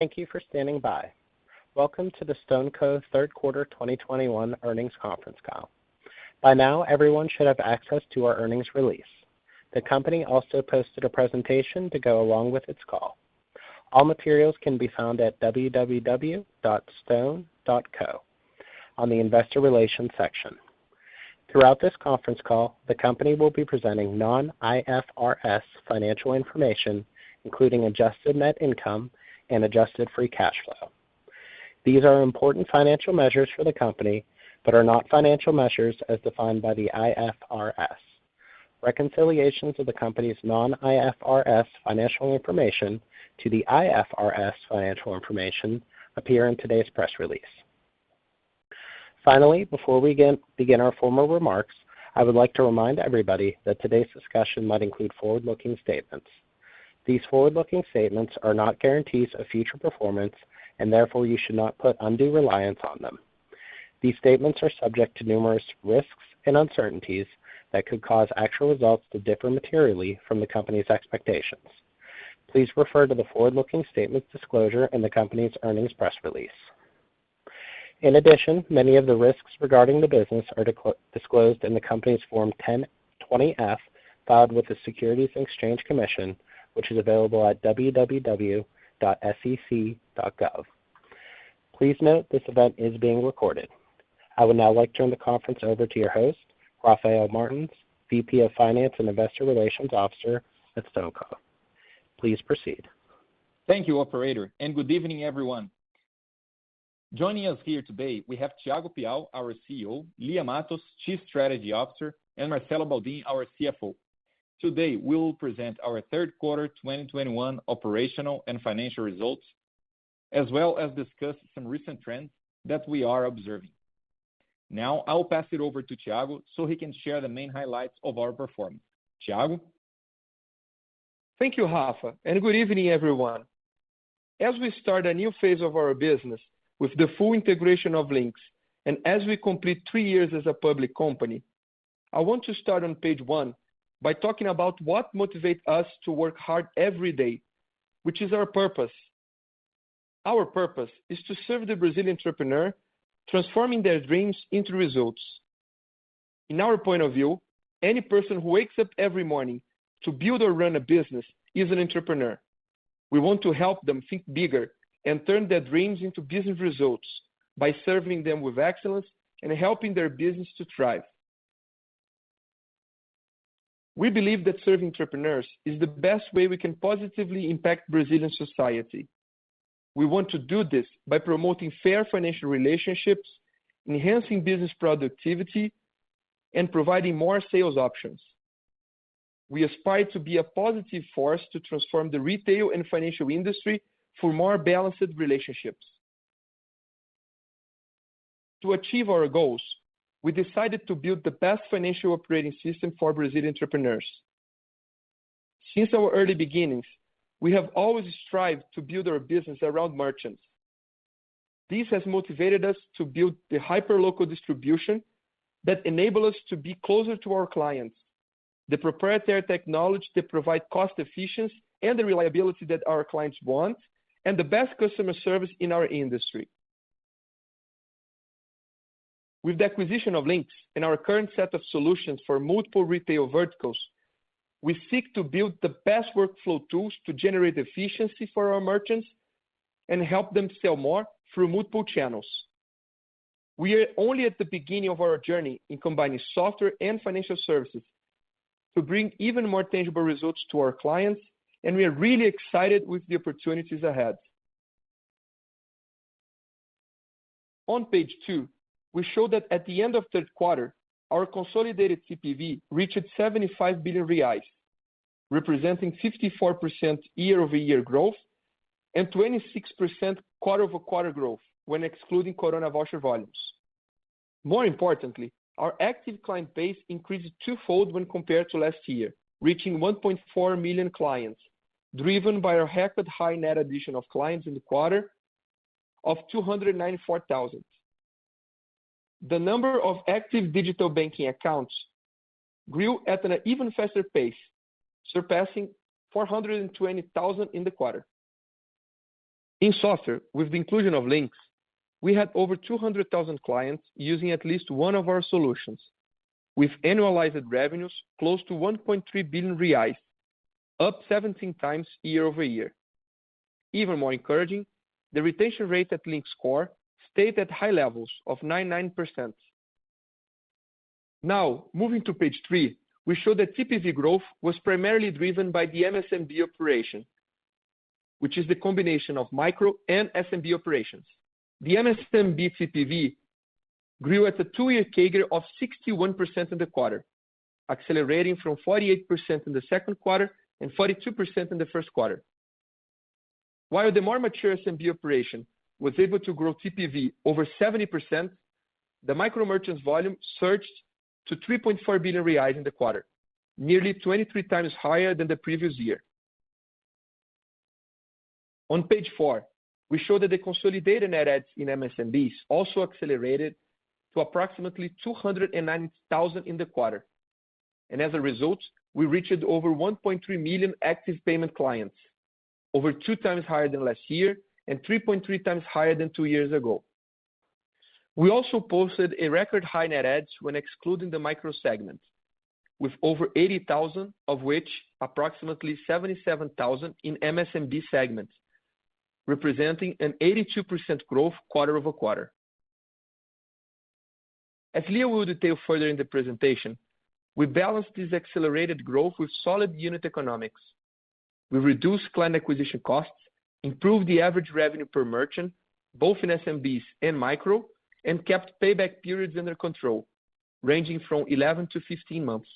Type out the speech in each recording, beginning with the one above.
Thank you for standing by. Welcome to the StoneCo third quarter 2021 earnings conference call. By now, everyone should have access to our earnings release. The company also posted a presentation to go along with its call. All materials can be found at www.stone.co on the investor relations section. Throughout this conference call, the company will be presenting non-IFRS financial information, including adjusted net income and adjusted free cash flow. These are important financial measures for the company, but are not financial measures as defined by the IFRS. Reconciliations of the company's non-IFRS financial information to the IFRS financial information appear in today's press release. Finally, before we begin our formal remarks, I would like to remind everybody that today's discussion might include forward-looking statements. These forward-looking statements are not guarantees of future performance, and therefore you should not put undue reliance on them. These statements are subject to numerous risks and uncertainties that could cause actual results to differ materially from the company's expectations. Please refer to the forward-looking statements disclosure in the company's earnings press release. In addition, many of the risks regarding the business are disclosed in the company's Form 20-F filed with the Securities and Exchange Commission, which is available at www.sec.gov. Please note, this event is being recorded. I would now like to turn the conference over to your host, Rafael Martins, VP of Finance and Investor Relations Officer at StoneCo. Please proceed. Thank you, operator, and good evening, everyone. Joining us here today we have Thiago Piau, our CEO, Lia Matos, Chief Strategy Officer, and Marcelo Baldin, our CFO. Today, we will present our third quarter 2021 operational and financial results, as well as discuss some recent trends that we are observing. Now, I will pass it over to Thiago so he can share the main highlights of our performance. Thiago. Thank you, Rafael, and good evening, everyone. As we start a new phase of our business with the full integration of Linx, and as we complete three years as a public company, I want to start on page one by talking about what motivates us to work hard every day, which is our purpose. Our purpose is to serve the Brazilian entrepreneur, transforming their dreams into results. In our point of view, any person who wakes up every morning to build or run a business is an entrepreneur. We want to help them think bigger and turn their dreams into business results by serving them with excellence and helping their business to thrive. We believe that serving entrepreneurs is the best way we can positively impact Brazilian society. We want to do this by promoting fair financial relationships, enhancing business productivity, and providing more sales options. We aspire to be a positive force to transform the retail and financial industry for more balanced relationships. To achieve our goals, we decided to build the best financial operating system for Brazilian entrepreneurs. Since our early beginnings, we have always strived to build our business around merchants. This has motivated us to build the hyperlocal distribution that enable us to be closer to our clients, the proprietary technology that provide cost efficiency and the reliability that our clients want, and the best customer service in our industry. With the acquisition of Linx and our current set of solutions for multiple retail verticals, we seek to build the best workflow tools to generate efficiency for our merchants and help them sell more through multiple channels. We are only at the beginning of our journey in combining software and financial services to bring even more tangible results to our clients, and we are really excited with the opportunities ahead. On page two, we show that at the end of third quarter, our consolidated TPV reached 75 billion reais, representing 54% year-over-year growth and 26% quarter-over-quarter growth when excluding Corona voucher volumes. More importantly, our active client base increased twofold when compared to last year, reaching 1.4 million clients, driven by a record high net addition of clients in the quarter of 294,000. The number of active digital banking accounts grew at an even faster pace, surpassing 420,000 in the quarter. In software, with the inclusion of Linx, we had over 200,000 clients using at least one of our solutions, with annualized revenues close to 1.3 billion reais, up 17 times year-over-year. Even more encouraging, the retention rate at Linx core stayed at high levels of 99%. Now, moving to page three, we show that TPV growth was primarily driven by the MSMB operation, which is the combination of micro and SMB operations. The MSMB TPV grew at a two-year CAGR of 61% in the quarter, accelerating from 48% in the second quarter and 42% in the first quarter. While the more mature SMB operation was able to grow TPV over 70%, the micro merchants volume surged to 3.4 billion reais in the quarter, nearly 23x higher than the previous year. On page four, we show that the consolidated net adds in MSMBs also accelerated to approximately 290,000 in the quarter. As a result, we reached over 1.3 million active payment clients, over 2x higher than last year, and 3.3x higher than two years ago. We also posted a record high net adds when excluding the micro segment, with over 80,000, of which approximately 77,000 in MSMB segments, representing an 82% growth quarter-over-quarter. As Lia will detail further in the presentation, we balanced this accelerated growth with solid unit economics. We reduced client acquisition costs, improved the average revenue per merchant, both in SMBs and micro, and kept payback periods under control, ranging from 11-15 months.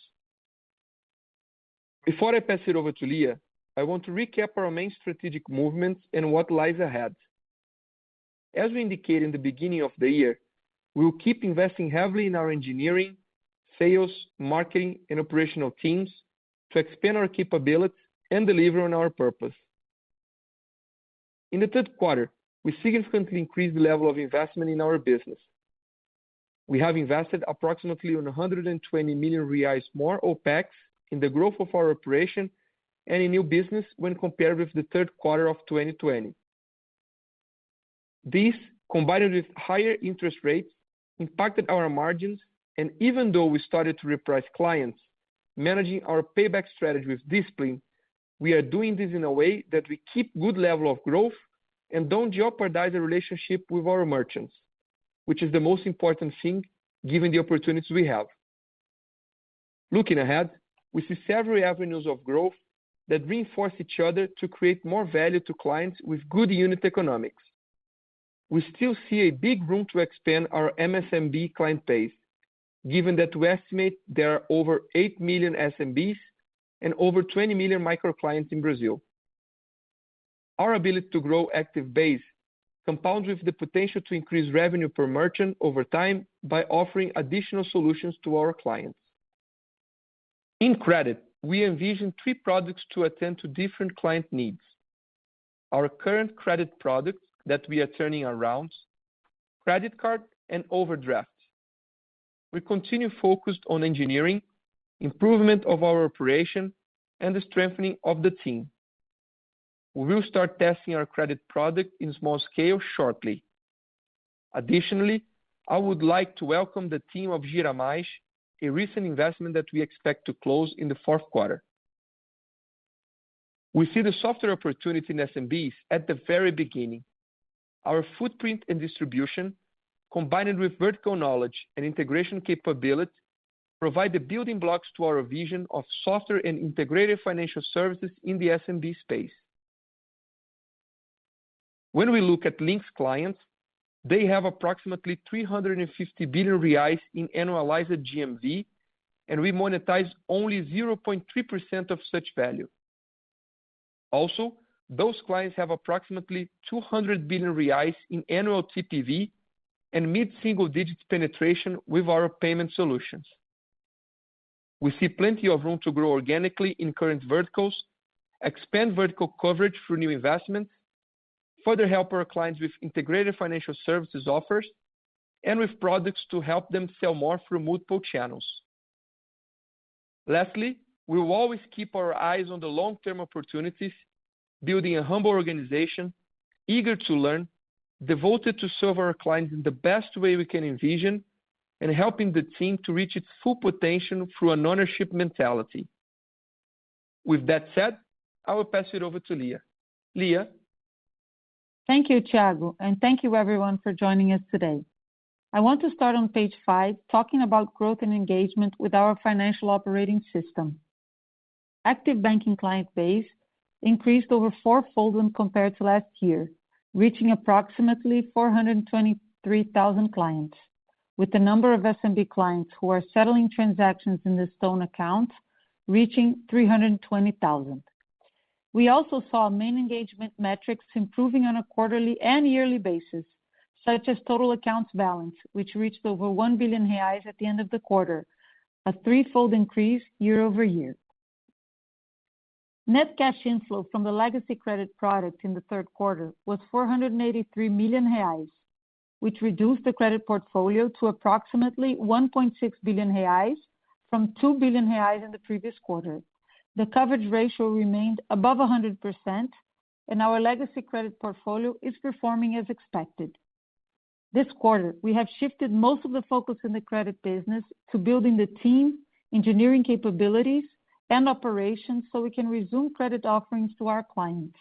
Before I pass it over to Lia, I want to recap our main strategic movements and what lies ahead. As we indicated in the beginning of the year, we will keep investing heavily in our engineering, sales, marketing, and operational teams to expand our capability and deliver on our purpose. In the third quarter, we significantly increased the level of investment in our business. We have invested approximately 120 million reais more OpEx in the growth of our operation and in new business when compared with the third quarter of 2020. This, combined with higher interest rates, impacted our margins. Even though we started to reprice clients, managing our payback strategy with discipline, we are doing this in a way that we keep good level of growth and don't jeopardize the relationship with our merchants, which is the most important thing given the opportunities we have. Looking ahead, we see several avenues of growth that reinforce each other to create more value to clients with good unit economics. We still see a big room to expand our MSMB client base, given that we estimate there are over 8 million SMBs and over 20 million micro clients in Brazil. Our ability to grow active base compound with the potential to increase revenue per merchant over time by offering additional solutions to our clients. In credit, we envision three products to attend to different client needs. Our current credit product that we are turning around, credit card, and overdraft. We continue focused on engineering, improvement of our operation, and the strengthening of the team. We will start testing our credit product in small scale shortly. Additionally, I would like to welcome the team of Gyramais, a recent investment that we expect to close in the fourth quarter. We see the software opportunity in SMBs at the very beginning. Our footprint and distribution, combined with vertical knowledge and integration capability, provide the building blocks to our vision of software and integrated financial services in the SMB space. When we look at Linx clients, they have approximately 350 billion reais in annualized GMV, and we monetize only 0.3% of such value. Also, those clients have approximately 200 billion reais in annual TPV and mid-single digit penetration with our payment solutions. We see plenty of room to grow organically in current verticals, expand vertical coverage through new investment, further help our clients with integrated financial services offers, and with products to help them sell more through multiple channels. Lastly, we will always keep our eyes on the long-term opportunities, building a humble organization, eager to learn, devoted to serve our clients in the best way we can envision, and helping the team to reach its full potential through an ownership mentality. With that said, I will pass it over to Lia. Lia? Thank you, Thiago, and thank you everyone for joining us today. I want to start on page five talking about growth and engagement with our financial operating system. Active banking client base increased over fourfold when compared to last year, reaching approximately 423,000 clients, with the number of SMB clients who are settling transactions in the StoneCo account reaching 320,000. We also saw main engagement metrics improving on a quarterly and yearly basis, such as total accounts balance, which reached over 1 billion reais at the end of the quarter, a threefold increase year-over-year. Net cash inflow from the legacy credit product in the third quarter was 483 million reais, which reduced the credit portfolio to approximately 1.6 billion reais from 2 billion reais in the previous quarter. The coverage ratio remained above 100%, and our legacy credit portfolio is performing as expected. This quarter, we have shifted most of the focus in the credit business to building the team, engineering capabilities, and operations so we can resume credit offerings to our clients.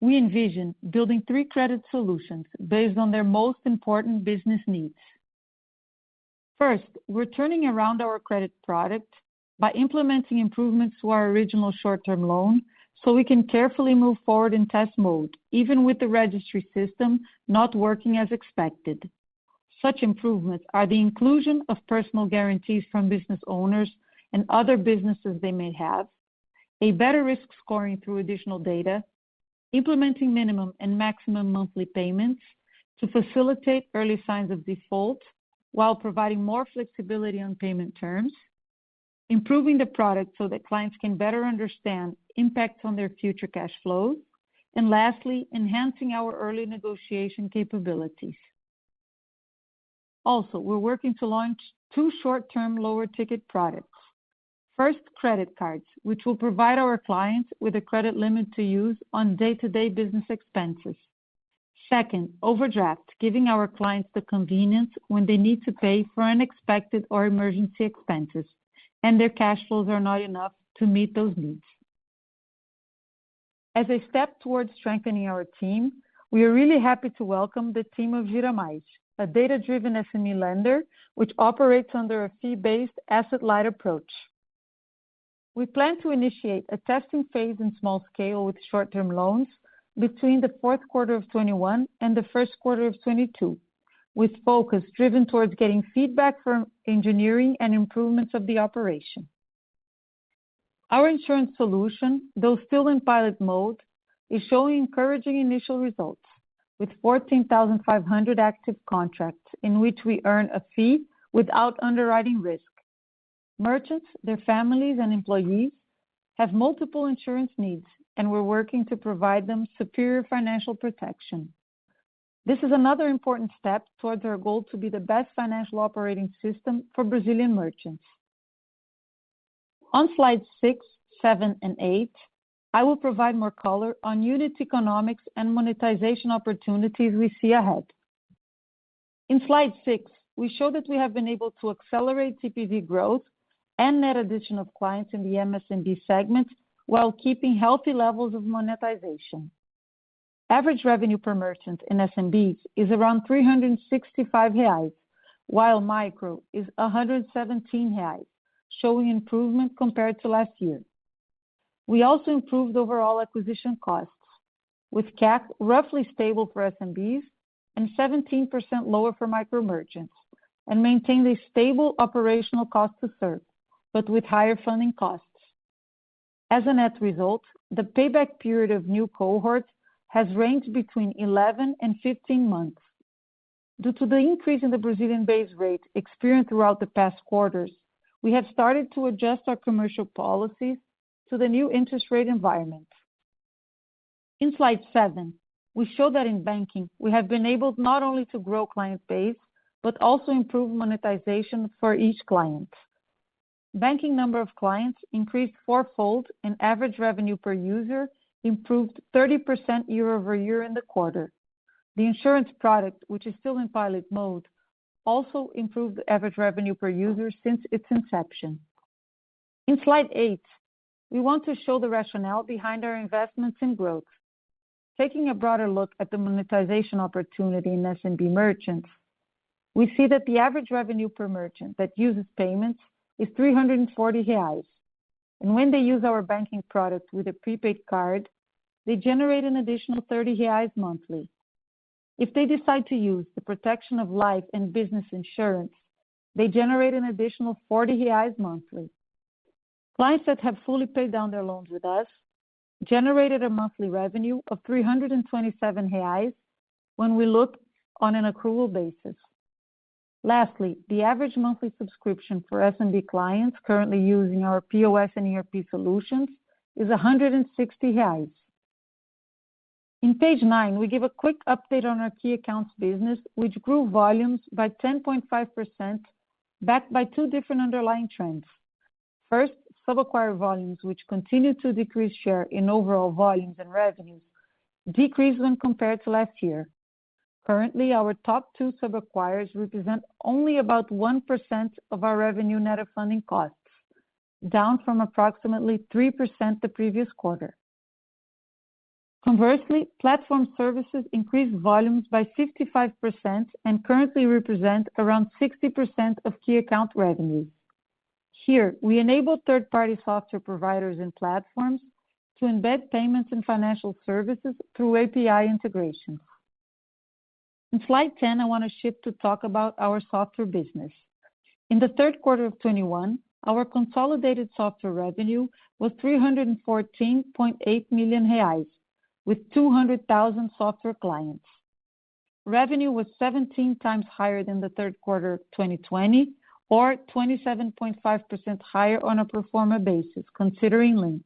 We envision building three credit solutions based on their most important business needs. First, we're turning around our credit product by implementing improvements to our original short-term loan so we can carefully move forward in test mode, even with the registry system not working as expected. Such improvements are the inclusion of personal guarantees from business owners and other businesses they may have, a better risk scoring through additional data, implementing minimum and maximum monthly payments to facilitate early signs of default while providing more flexibility on payment terms, improving the product so that clients can better understand impacts on their future cash flows, and lastly, enhancing our early negotiation capabilities. We're working to launch two short-term lower ticket products. First, credit cards, which will provide our clients with a credit limit to use on day-to-day business expenses. Second, overdraft, giving our clients the convenience when they need to pay for unexpected or emergency expenses, and their cash flows are not enough to meet those needs. As a step towards strengthening our team, we are really happy to welcome the team of Gyramais, a data-driven SME lender which operates under a fee-based asset-light approach. We plan to initiate a testing phase in small scale with short-term loans between the fourth quarter of 2021 and the first quarter of 2022, with focus driven towards getting feedback from engineering and improvements of the operation. Our insurance solution, though still in pilot mode, is showing encouraging initial results with 14,500 active contracts in which we earn a fee without underwriting risk. Merchants, their families, and employees have multiple insurance needs, and we're working to provide them superior financial protection. This is another important step towards our goal to be the best financial operating system for Brazilian merchants. On slides six, seven, and eight, I will provide more color on unit economics and monetization opportunities we see ahead. In Slide six, we show that we have been able to accelerate TPV growth and net addition of clients in the MSMB segment while keeping healthy levels of monetization. Average revenue per merchant in SMBs is around 365 reais, while micro is 117 reais, showing improvement compared to last year. We also improved overall acquisition costs with CAC roughly stable for SMBs and 17% lower for micro merchants, and maintained a stable operational cost to serve, but with higher funding costs. As a net result, the payback period of new cohorts has ranged between 11 and 15 months. Due to the increase in the Brazilian base rate experienced throughout the past quarters, we have started to adjust our commercial policies to the new interest rate environment. In slide seven, we show that in banking, we have been able not only to grow client base, but also improve monetization for each client. Banking number of clients increased fourfold, and average revenue per user improved 30% year-over-year in the quarter. The insurance product, which is still in pilot mode, also improved the average revenue per user since its inception. In slide eight, we want to show the rationale behind our investments in growth. Taking a broader look at the monetization opportunity in SMB merchants, we see that the average revenue per merchant that uses payments is 340 reais. When they use our banking products with a prepaid card, they generate an additional 30 reais monthly. If they decide to use the protection of life and business insurance, they generate an additional 40 reais monthly. Clients that have fully paid down their loans with us generated a monthly revenue of 327 reais when we look on an accrual basis. Lastly, the average monthly subscription for SMB clients currently using our POS and ERP solutions is 160 reais. On page nine, we give a quick update on our key accounts business, which grew volumes by 10.5%, backed by two different underlying trends. First, sub-acquirer volumes, which continue to decrease share in overall volumes and revenues, decreased when compared to last year. Currently, our top two sub-acquirers represent only about 1% of our revenue net of funding costs, down from approximately 3% the previous quarter. Conversely, platform services increased volumes by 55% and currently represent around 60% of key account revenue. Here, we enable third-party software providers and platforms to embed payments and financial services through API integration. In slide 10, I wanna shift to talk about our software business. In the third quarter of 2021, our consolidated software revenue was 314.8 million reais with 200,000 software clients. Revenue was 17x higher than the third quarter of 2020 or 27.5% higher on a pro forma basis considering Linx.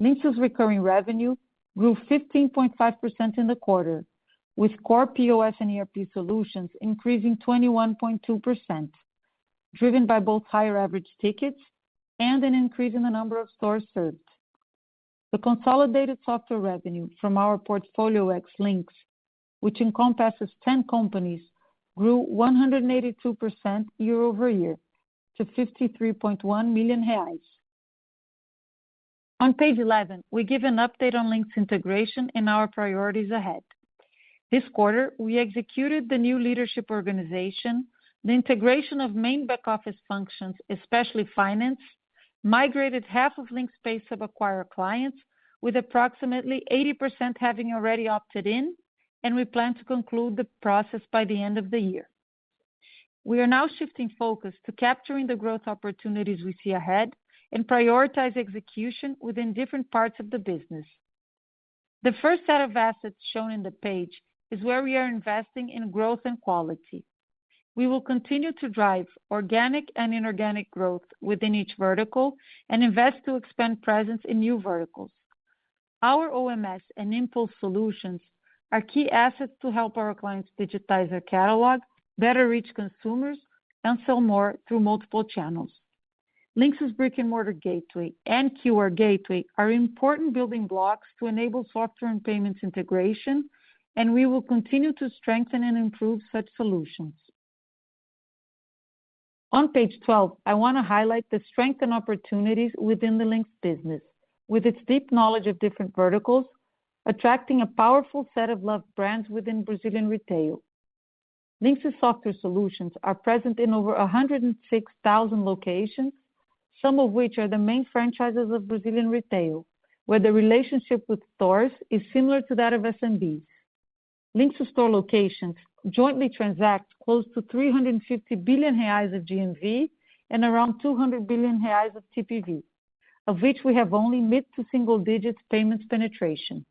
Linx's recurring revenue grew 15.5% in the quarter, with core POS and ERP solutions increasing 21.2%, driven by both higher average tickets and an increase in the number of stores served. The consolidated software revenue from our Portfolio ex-Linx, which encompasses 10 companies, grew 182% year-over-year to BRL 53.1 million. On page 11, we give an update on Linx integration and our priorities ahead. This quarter, we executed the new leadership organization, the integration of main back office functions, especially finance, migrated half of Linx Pay sub-acquirer clients with approximately 80% having already opted in, and we plan to conclude the process by the end of the year. We are now shifting focus to capturing the growth opportunities we see ahead and prioritize execution within different parts of the business. The first set of assets shown in the page is where we are investing in growth and quality. We will continue to drive organic and inorganic growth within each vertical and invest to expand presence in new verticals. Our OMS and Impulse solutions are key assets to help our clients digitize their catalog, better reach consumers, and sell more through multiple channels. Linx's brick-and-mortar gateway and QR Linx are important building blocks to enable software and payments integration, and we will continue to strengthen and improve such solutions. On page 12, I wanna highlight the strength and opportunities within the Linx business with its deep knowledge of different verticals, attracting a powerful set of loved brands within Brazilian retail. Linx's software solutions are present in over 106,000 locations, some of which are the main franchises of Brazilian retail, where the relationship with stores is similar to that of SMB. Linx store locations jointly transact close to 350 billion reais of GMV and around 200 billion reais of TPV, of which we have only mid- to single-digit payments penetration.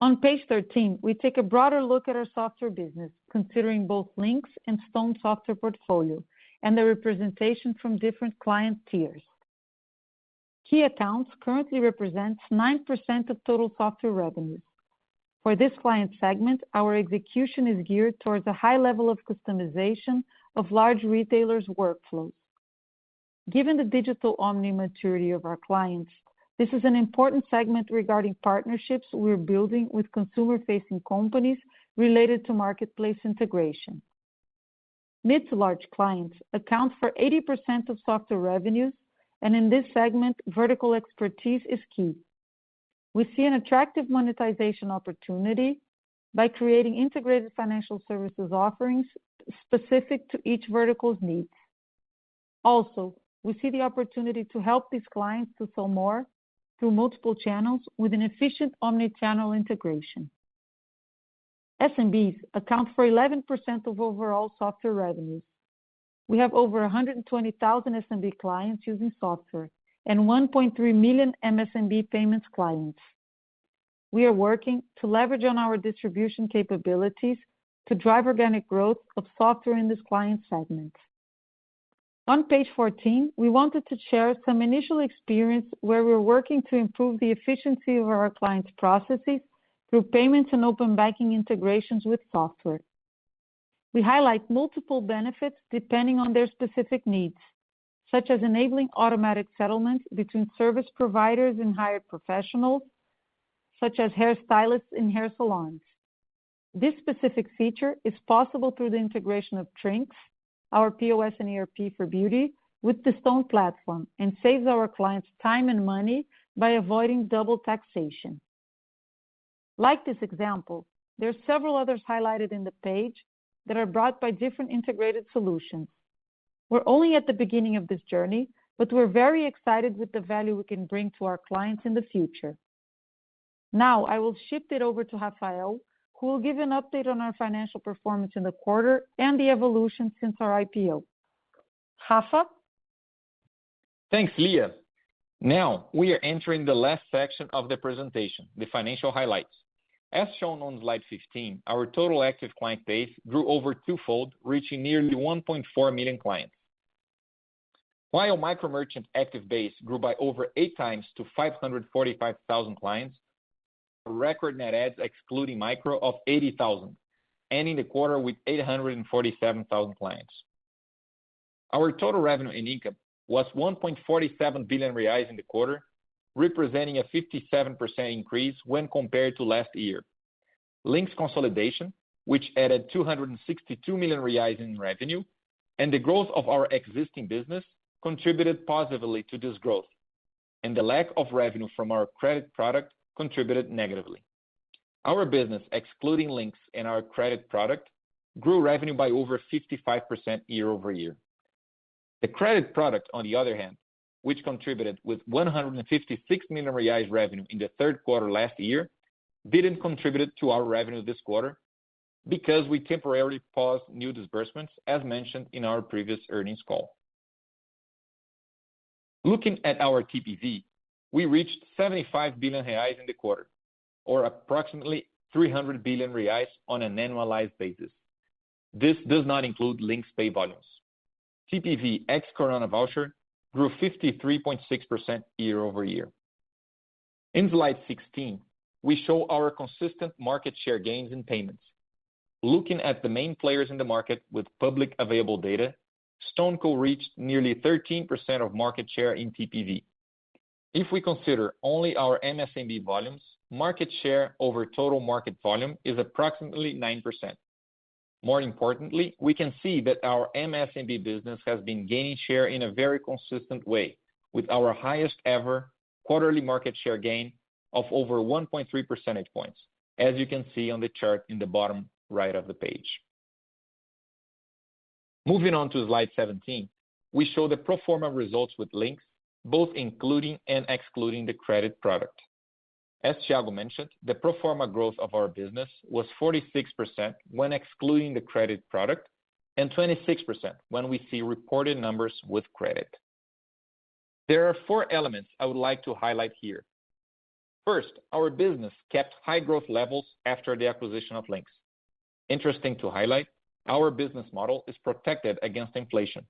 On page 13, we take a broader look at our software business, considering both Linx and StoneCo software portfolio and the representation from different client tiers. Key accounts currently represents 9% of total software revenues. For this client segment, our execution is geared towards a high level of customization of large retailers' workflows. Given the digital omni-channel maturity of our clients, this is an important segment regarding partnerships we're building with consumer-facing companies related to marketplace integration. Mid to large clients account for 80% of software revenues, and in this segment, vertical expertise is key. We see an attractive monetization opportunity by creating integrated financial services offerings specific to each vertical's needs. Also, we see the opportunity to help these clients to sell more through multiple channels with an efficient omni-channel integration. SMBs account for 11% of overall software revenues. We have over 120,000 SMB clients using software and 1.3 million MSMB payments clients. We are working to leverage on our distribution capabilities to drive organic growth of software in this client segment. On page 14, we wanted to share some initial experience where we're working to improve the efficiency of our clients' processes through payments and open banking integrations with software. We highlight multiple benefits depending on their specific needs, such as enabling automatic settlement between service providers and hired professionals, such as hairstylists in hair salons. This specific feature is possible through the integration of Trinks, our POS and ERP for beauty, with the StoneCo platform, and saves our clients time and money by avoiding double taxation. Like this example, there are several others highlighted in the page that are brought by different integrated solutions. We're only at the beginning of this journey, but we're very excited with the value we can bring to our clients in the future. Now I will shift it over to Rafael, who will give an update on our financial performance in the quarter and the evolution since our IPO. Rafa? Thanks, Lia. Now we are entering the last section of the presentation, the financial highlights. As shown on slide 15, our total active client base grew over twofold, reaching nearly 1.4 million clients. While micro-merchant active base grew by over eight times to 545,000 clients, record net adds excluding micro of 80,000, ending the quarter with 847,000 clients. Our total revenue and income was 1.47 billion reais in the quarter, representing a 57% increase when compared to last year. Linx consolidation, which added 262 million reais in revenue, and the growth of our existing business contributed positively to this growth, and the lack of revenue from our credit product contributed negatively. Our business, excluding Linx and our credit product, grew revenue by over 55% year-over-year. The credit product, on the other hand, which contributed with 156 million reais revenue in the third quarter last year, didn't contribute to our revenue this quarter because we temporarily paused new disbursements, as mentioned in our previous earnings call. Looking at our TPV, we reached 75 billion reais in the quarter, or approximately 300 billion reais on an annualized basis. This does not include Linx Pay volumes. TPV ex-Coronavoucher grew 53.6% year-over-year. In slide 16, we show our consistent market share gains in payments. Looking at the main players in the market with public available data, StoneCo reached nearly 13% of market share in TPV. If we consider only our MSMB volumes, market share over total market volume is approximately 9%. More importantly, we can see that our MSMB business has been gaining share in a very consistent way with our highest ever quarterly market share gain of over 1.3 percentage points, as you can see on the chart in the bottom right of the page. Moving on to slide 17, we show the pro forma results with Linx, both including and excluding the credit product. As Thiago mentioned, the pro forma growth of our business was 46% when excluding the credit product and 26% when we see reported numbers with credit. There are four elements I would like to highlight here. First, our business kept high growth levels after the acquisition of Linx. Interesting to highlight, our business model is protected against inflation,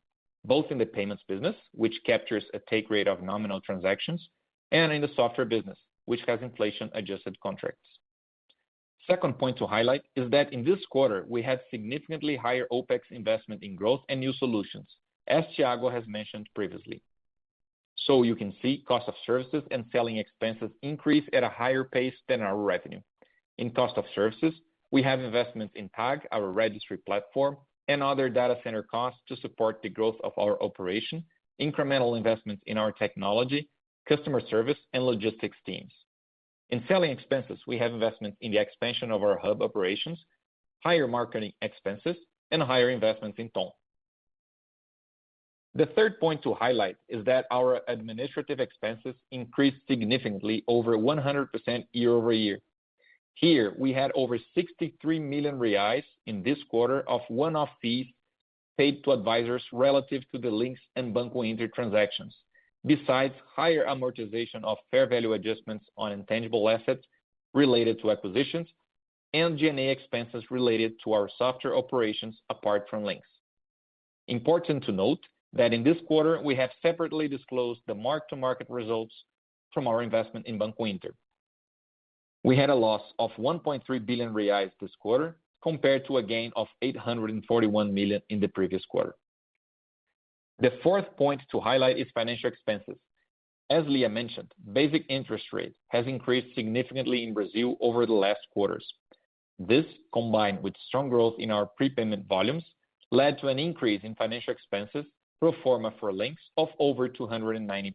both in the payments business, which captures a take rate of nominal transactions, and in the software business, which has inflation-adjusted contracts. Second point to highlight is that in this quarter, we had significantly higher OpEx investment in growth and new solutions, as Thiago has mentioned previously. You can see cost of services and selling expenses increase at a higher pace than our revenue. In cost of services, we have investments in TAG, our registry platform, and other data center costs to support the growth of our operation, incremental investments in our technology, customer service, and logistics teams. In selling expenses, we have investments in the expansion of our hub operations, higher marketing expenses, and higher investments in TON. The third point to highlight is that our administrative expenses increased significantly over 100% year-over-year. Here we had over 63 million reais in this quarter of one-off fees paid to advisors relative to the Linx and Banco Inter transactions. Besides higher amortization of fair value adjustments on intangible assets related to acquisitions and G&A expenses related to our software operations apart from Linx. Important to note that in this quarter, we have separately disclosed the mark-to-market results from our investment in Banco Inter. We had a loss of 1.3 billion reais this quarter compared to a gain of 841 million in the previous quarter. The fourth point to highlight is financial expenses. As Lia mentioned, basic interest rate has increased significantly in Brazil over the last quarters. This, combined with strong growth in our prepayment volumes, led to an increase in financial expenses pro forma for Linx of over 290%.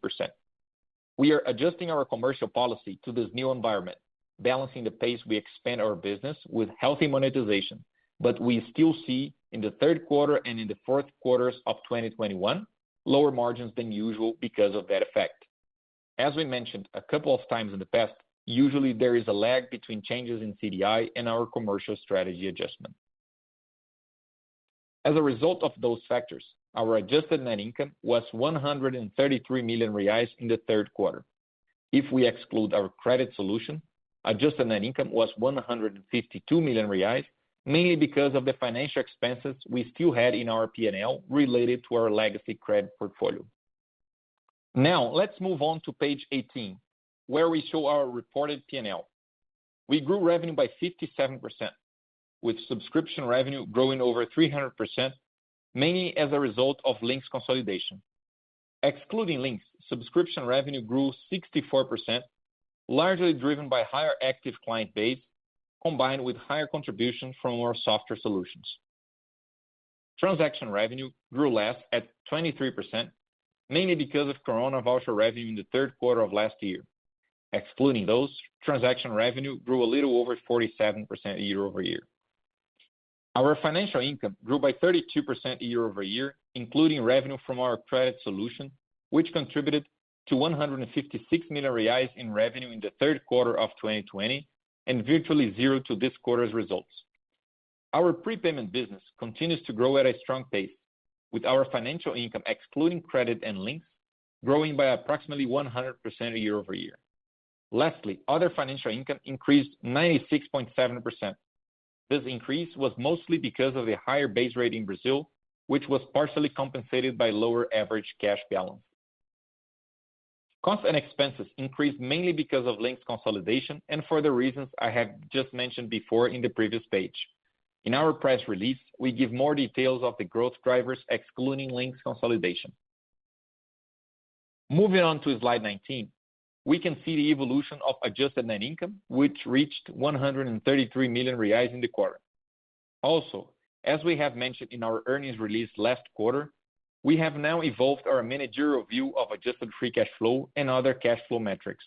We are adjusting our commercial policy to this new environment, balancing the pace we expand our business with healthy monetization. We still see in the third quarter and in the fourth quarters of 2021 lower margins than usual because of that effect. As we mentioned a couple of times in the past, usually there is a lag between changes in CDI and our commercial strategy adjustment. As a result of those factors, our adjusted net income was 133 million reais in the third quarter. If we exclude our credit solution, adjusted net income was 152 million reais, mainly because of the financial expenses we still had in our P&L related to our legacy credit portfolio. Now let's move on to page 18, where we show our reported P&L. We grew revenue by 57%, with subscription revenue growing over 300%, mainly as a result of Linx consolidation. Excluding Linx, subscription revenue grew 64%, largely driven by higher active client base combined with higher contributions from our software solutions. Transaction revenue grew less at 23%, mainly because of Coronavoucher revenue in the third quarter of last year. Excluding those, transaction revenue grew a little over 47% year-over-year. Our financial income grew by 32% year-over-year, including revenue from our credit solution, which contributed to 156 million reais in revenue in the third quarter of 2020 and virtually zero to this quarter's results. Our prepayment business continues to grow at a strong pace, with our financial income excluding credit and Linx growing by approximately 100% year-over-year. Lastly, other financial income increased 96.7%. This increase was mostly because of the higher base rate in Brazil, which was partially compensated by lower average cash balance. Costs and expenses increased mainly because of Linx consolidation and for the reasons I have just mentioned before in the previous page. In our press release, we give more details of the growth drivers excluding Linx consolidation. Moving on to slide 19, we can see the evolution of adjusted net income, which reached 133 million reais in the quarter. Also, as we have mentioned in our earnings release last quarter, we have now evolved our managerial view of adjusted free cash flow and other cash flow metrics.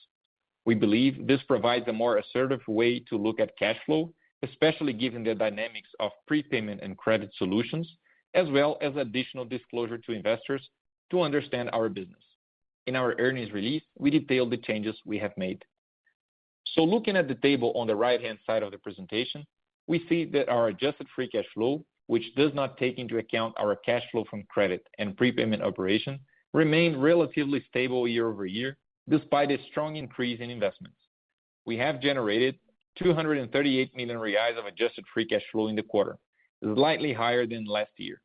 We believe this provides a more assertive way to look at cash flow, especially given the dynamics of prepayment and credit solutions, as well as additional disclosure to investors to understand our business. In our earnings release, we detail the changes we have made. Looking at the table on the right-hand side of the presentation, we see that our adjusted free cash flow, which does not take into account our cash flow from credit and prepayment operation, remained relatively stable year-over-year despite a strong increase in investments. We have generated 238 million reais of adjusted free cash flow in the quarter, slightly higher than last year.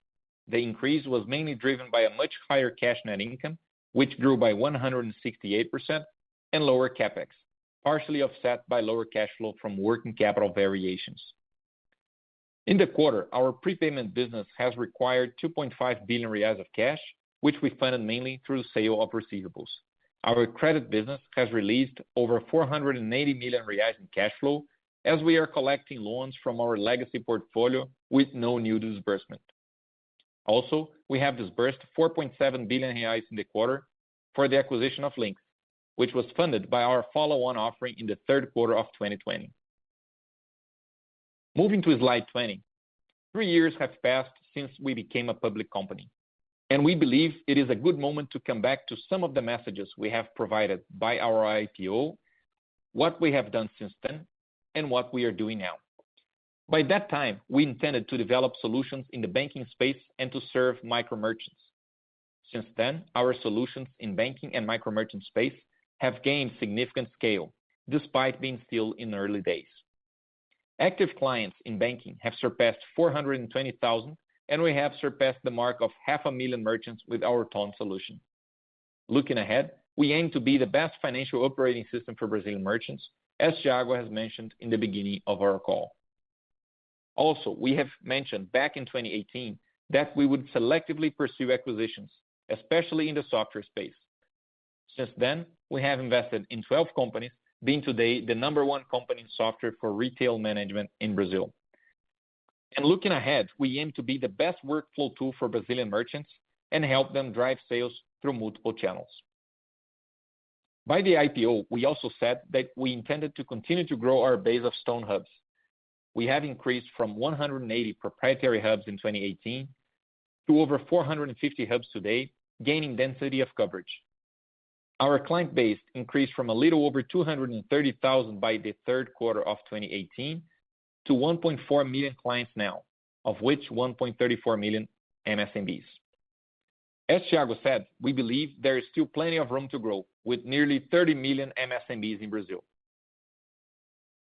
The increase was mainly driven by a much higher cash net income, which grew by 168% and lower CapEx, partially offset by lower cash flow from working capital variations. In the quarter, our prepayment business has required 2.5 billion reais of cash, which we funded mainly through the sale of receivables. Our credit business has released over 480 million reais in cash flow as we are collecting loans from our legacy portfolio with no new disbursement. Also, we have disbursed 4.7 billion reais in the quarter for the acquisition of Linx, which was funded by our follow-on offering in the third quarter of 2020. Moving to slide 20. Three years have passed since we became a public company, and we believe it is a good moment to come back to some of the messages we have provided by our IPO, what we have done since then, and what we are doing now. By that time, we intended to develop solutions in the banking space and to serve micro merchants. Since then, our solutions in banking and micro merchant space have gained significant scale despite being still in early days. Active clients in banking have surpassed 420,000, and we have surpassed the mark of 500,000 merchants with our TON solution. Looking ahead, we aim to be the best financial operating system for Brazilian merchants, as Thiago has mentioned in the beginning of our call. Also, we have mentioned back in 2018 that we would selectively pursue acquisitions, especially in the software space. Since then, we have invested in 12 companies, being today the number one company in software for retail management in Brazil. Looking ahead, we aim to be the best workflow tool for Brazilian merchants and help them drive sales through multiple channels. By the IPO, we also said that we intended to continue to grow our base of Stone Hubs. We have increased from 180 proprietary hubs in 2018 to over 450 hubs today, gaining density of coverage. Our client base increased from a little over 230,000 by the third quarter of 2018 to 1.4 million clients now, of which 1.34 million MSMEs. As Thiago said, we believe there is still plenty of room to grow with nearly 30 million MSMEs in Brazil.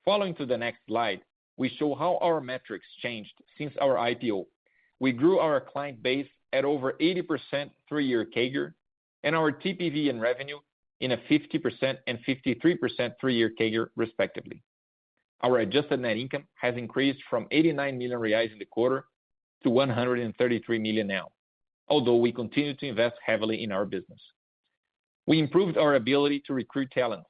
Following to the next slide, we show how our metrics changed since our IPO. We grew our client base at over 80% three-year CAGR and our TPV and revenue in a 50% and 53% three-year CAGR respectively. Our adjusted net income has increased from 89 million reais in the quarter to 133 million now, although we continue to invest heavily in our business. We improved our ability to recruit talents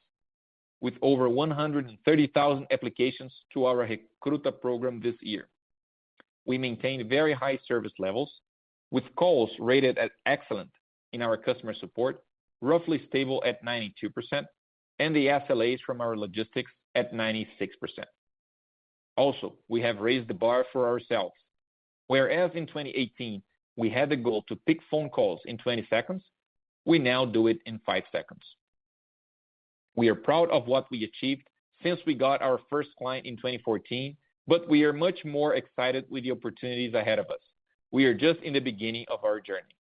with over 130,000 applications to our Recruta program this year. We maintain very high service levels, with calls rated as excellent in our customer support, roughly stable at 92%, and the SLAs from our logistics at 96%. We have raised the bar for ourselves. Whereas in 2018, we had the goal to pick phone calls in 20-seconds, we now do it in 5-seconds. We are proud of what we achieved since we got our first client in 2014, but we are much more excited with the opportunities ahead of us. We are just in the beginning of our journey.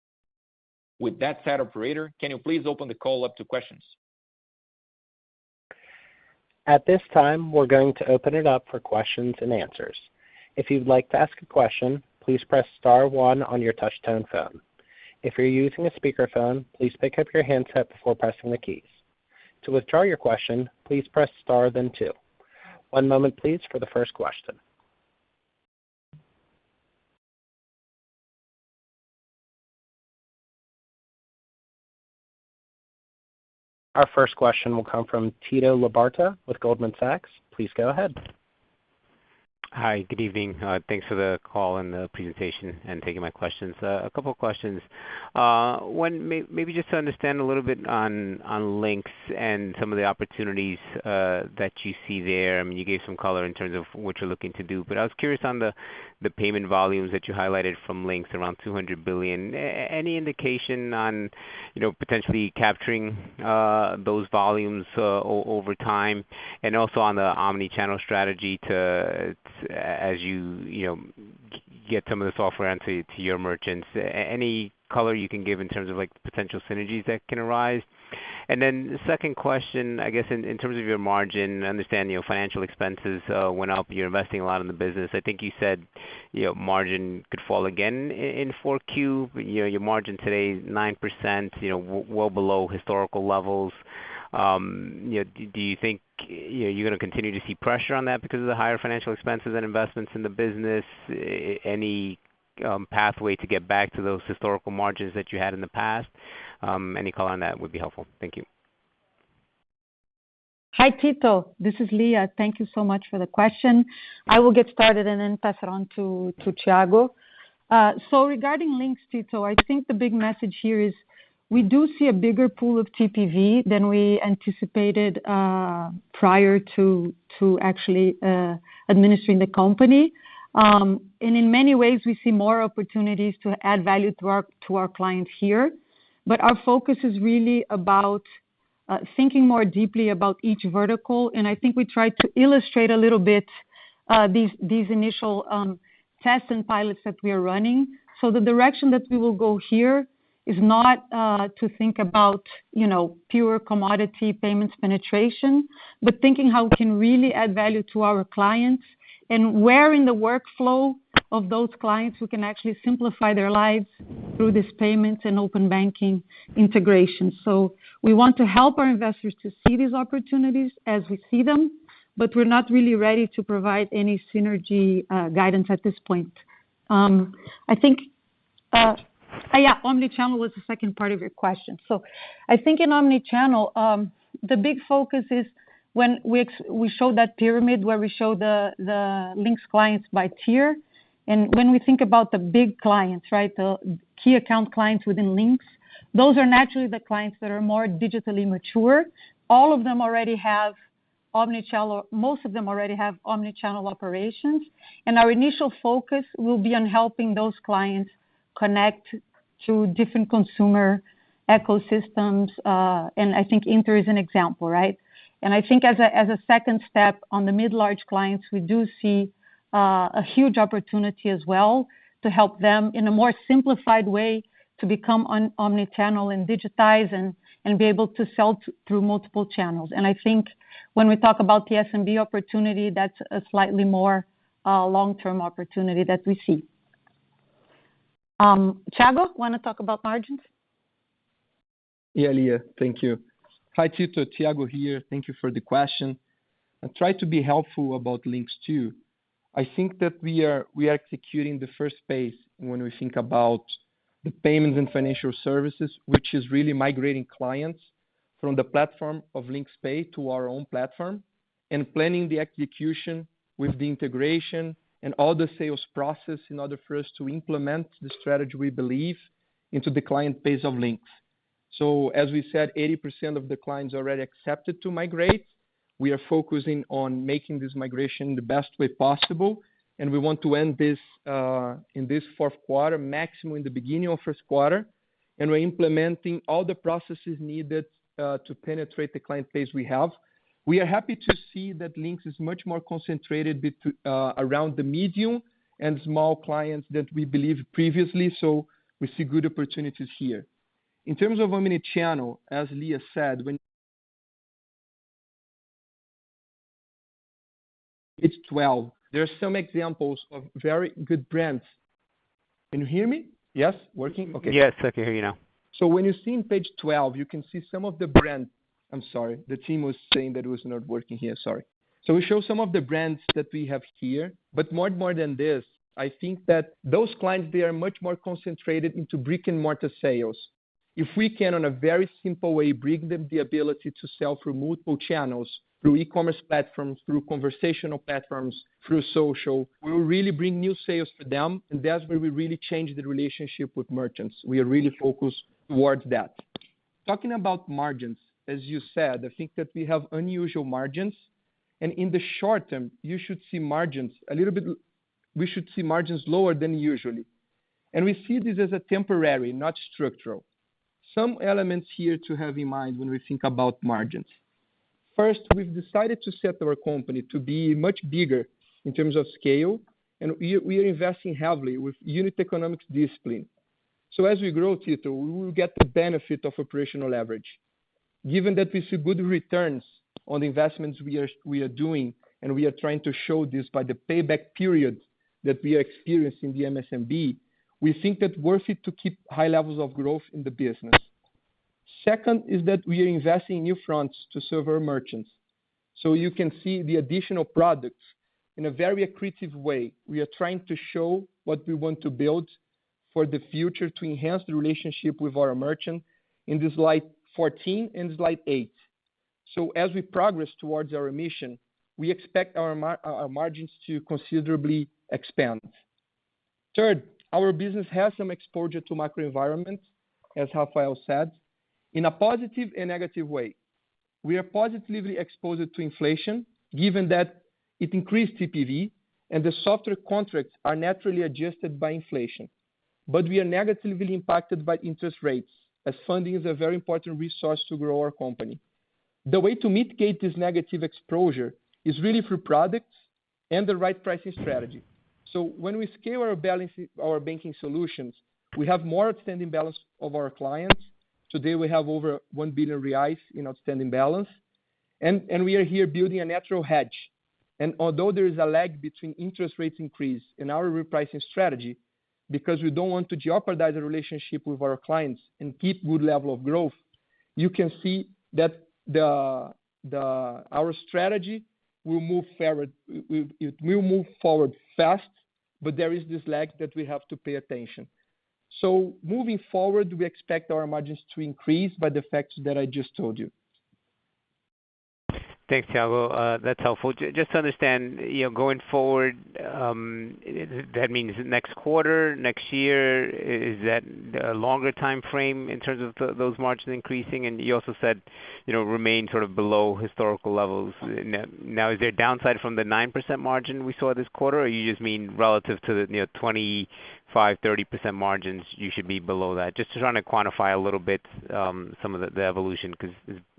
With that said, operator, can you please open the call up to questions? At this time, we're going to open it up for questions and answers. If you'd like to ask a question, please press star one on your touch-tone phone. If you're using a speakerphone, please pick up your handset before pressing the keys. To withdraw your question, please press star, then two. One moment, please, for the first question. Our first question will come from Tito Labarta with Goldman Sachs. Please go ahead. Hi. Good evening. Thanks for the call and the presentation and taking my questions. A couple of questions. One, maybe just to understand a little bit on Linx and some of the opportunities that you see there. I mean, you gave some color in terms of what you're looking to do. I was curious on the payment volumes that you highlighted from Linx, around 200 billion. Any indication on, you know, potentially capturing those volumes over time? Also on the omni-channel strategy to as you know get some of the software onto your merchants. Any color you can give in terms of, like, the potential synergies that can arise? The second question, I guess in terms of your margin, I understand, you know, financial expenses went up. You're investing a lot in the business. I think you said, you know, margin could fall again in Q4. You know, your margin today is 9%, you know, well below historical levels. You know, do you think, you know, you're gonna continue to see pressure on that because of the higher financial expenses and investments in the business? Any pathway to get back to those historical margins that you had in the past? Any color on that would be helpful. Thank you. Hi, Tito. This is Lia. Thank you so much for the question. I will get started and then pass it on to Thiago. Regarding Linx, Tito, I think the big message here is we do see a bigger pool of TPV than we anticipated prior to actually administering the company. In many ways, we see more opportunities to add value to our clients here. Our focus is really about thinking more deeply about each vertical. I think we tried to illustrate a little bit these initial tests and pilots that we are running. The direction that we will go here is not to think about, you know, pure commodity payments penetration, but thinking how we can really add value to our clients and where in the workflow of those clients we can actually simplify their lives through this payments and open banking integration. We want to help our investors to see these opportunities as we see them, but we're not really ready to provide any synergy guidance at this point. I think, yeah, omni-channel was the second part of your question. I think in omni-channel, the big focus is when we show that pyramid where we show the Linx clients by tier. And when we think about the big clients, right, the key account clients within Linx, those are naturally the clients that are more digitally mature. All of them already have omni-channel, most of them already have omni-channel operations, and our initial focus will be on helping those clients connect to different consumer ecosystems. I think Inter is an example, right? I think as a second step on the mid large clients, we do see a huge opportunity as well to help them in a more simplified way to become an omni-channel and digitize and be able to sell through multiple channels. I think when we talk about the SMB opportunity, that's a slightly more long-term opportunity that we see. Thiago, wanna talk about margins? Yeah, Lia. Thank you. Hi, Tito. Thiago here. Thank you for the question. I try to be helpful about Linx too. I think that we are executing the first phase when we think about the payments and financial services, which is really migrating clients from the platform of Linx Pay to our own platform, and planning the execution with the integration and all the sales process in order for us to implement the strategy we believe into the client base of Linx. So as we said, 80% of the clients already accepted to migrate. We are focusing on making this migration the best way possible, and we want to end this in this fourth quarter, maximum in the beginning of first quarter. We're implementing all the processes needed to penetrate the client base we have. We are happy to see that Linx is much more concentrated around the medium and small clients than we believed previously. We see good opportunities here. In terms of omni-channel, as Lia said-- Page 12. There are some examples of very good brands. Can you hear me? Yes. Working? Okay. Yes. I can hear you now. When you see on page 12, you can see some of the brands. I'm sorry, the team was saying that it was not working here. Sorry. We show some of the brands that we have here, but more than this, I think that those clients, they are much more concentrated into brick-and-mortar sales. If we can, in a very simple way, bring them the ability to sell through multiple channels, through e-commerce platforms, through conversational platforms, through social, we will really bring new sales to them, and that's where we really change the relationship with merchants. We are really focused toward that. Talking about margins, as you said, I think that we have unusual margins. In the short term, we should see margins lower than usually. We see this as a temporary, not structural. Some elements here to have in mind when we think about margins. First, we've decided to set our company to be much bigger in terms of scale, and we are investing heavily with unit economics discipline. As we grow, Tito, we will get the benefit of operational leverage. Given that we see good returns on the investments we are doing, and we are trying to show this by the payback period that we are experiencing in the MSMB, we think that worth it to keep high levels of growth in the business. Second is that we are investing new fronts to serve our merchants. You can see the additional products. In a very accretive way, we are trying to show what we want to build for the future to enhance the relationship with our merchant in the slide 14 and slide eight. As we progress towards our mission, we expect our margins to considerably expand. Third, our business has some exposure to macro environment, as Rafael said, in a positive and negative way. We are positively exposed to inflation given that it increased TPV and the software contracts are naturally adjusted by inflation. We are negatively impacted by interest rates, as funding is a very important resource to grow our company. The way to mitigate this negative exposure is really through products and the right pricing strategy. When we scale our banking solutions, we have more outstanding balance of our clients. Today we have over 1 billion reais in outstanding balance. We are here building a natural hedge. Although there is a lag between interest rates increase and our repricing strategy, because we don't want to jeopardize the relationship with our clients and keep good level of growth, you can see that our strategy will move forward. It will move forward fast, but there is this lag that we have to pay attention. Moving forward, we expect our margins to increase by the factors that I just told you. Thanks, Thiago. That's helpful. Just to understand, you know, going forward, that means next quarter, next year? Is that a longer timeframe in terms of those margins increasing? You also said, you know, remain sort of below historical levels. Now is there a downside from the 9% margin we saw this quarter? Or you just mean relative to the, you know, 25%-30% margins you should be below that? Just trying to quantify a little bit, some of the evolution 'cause,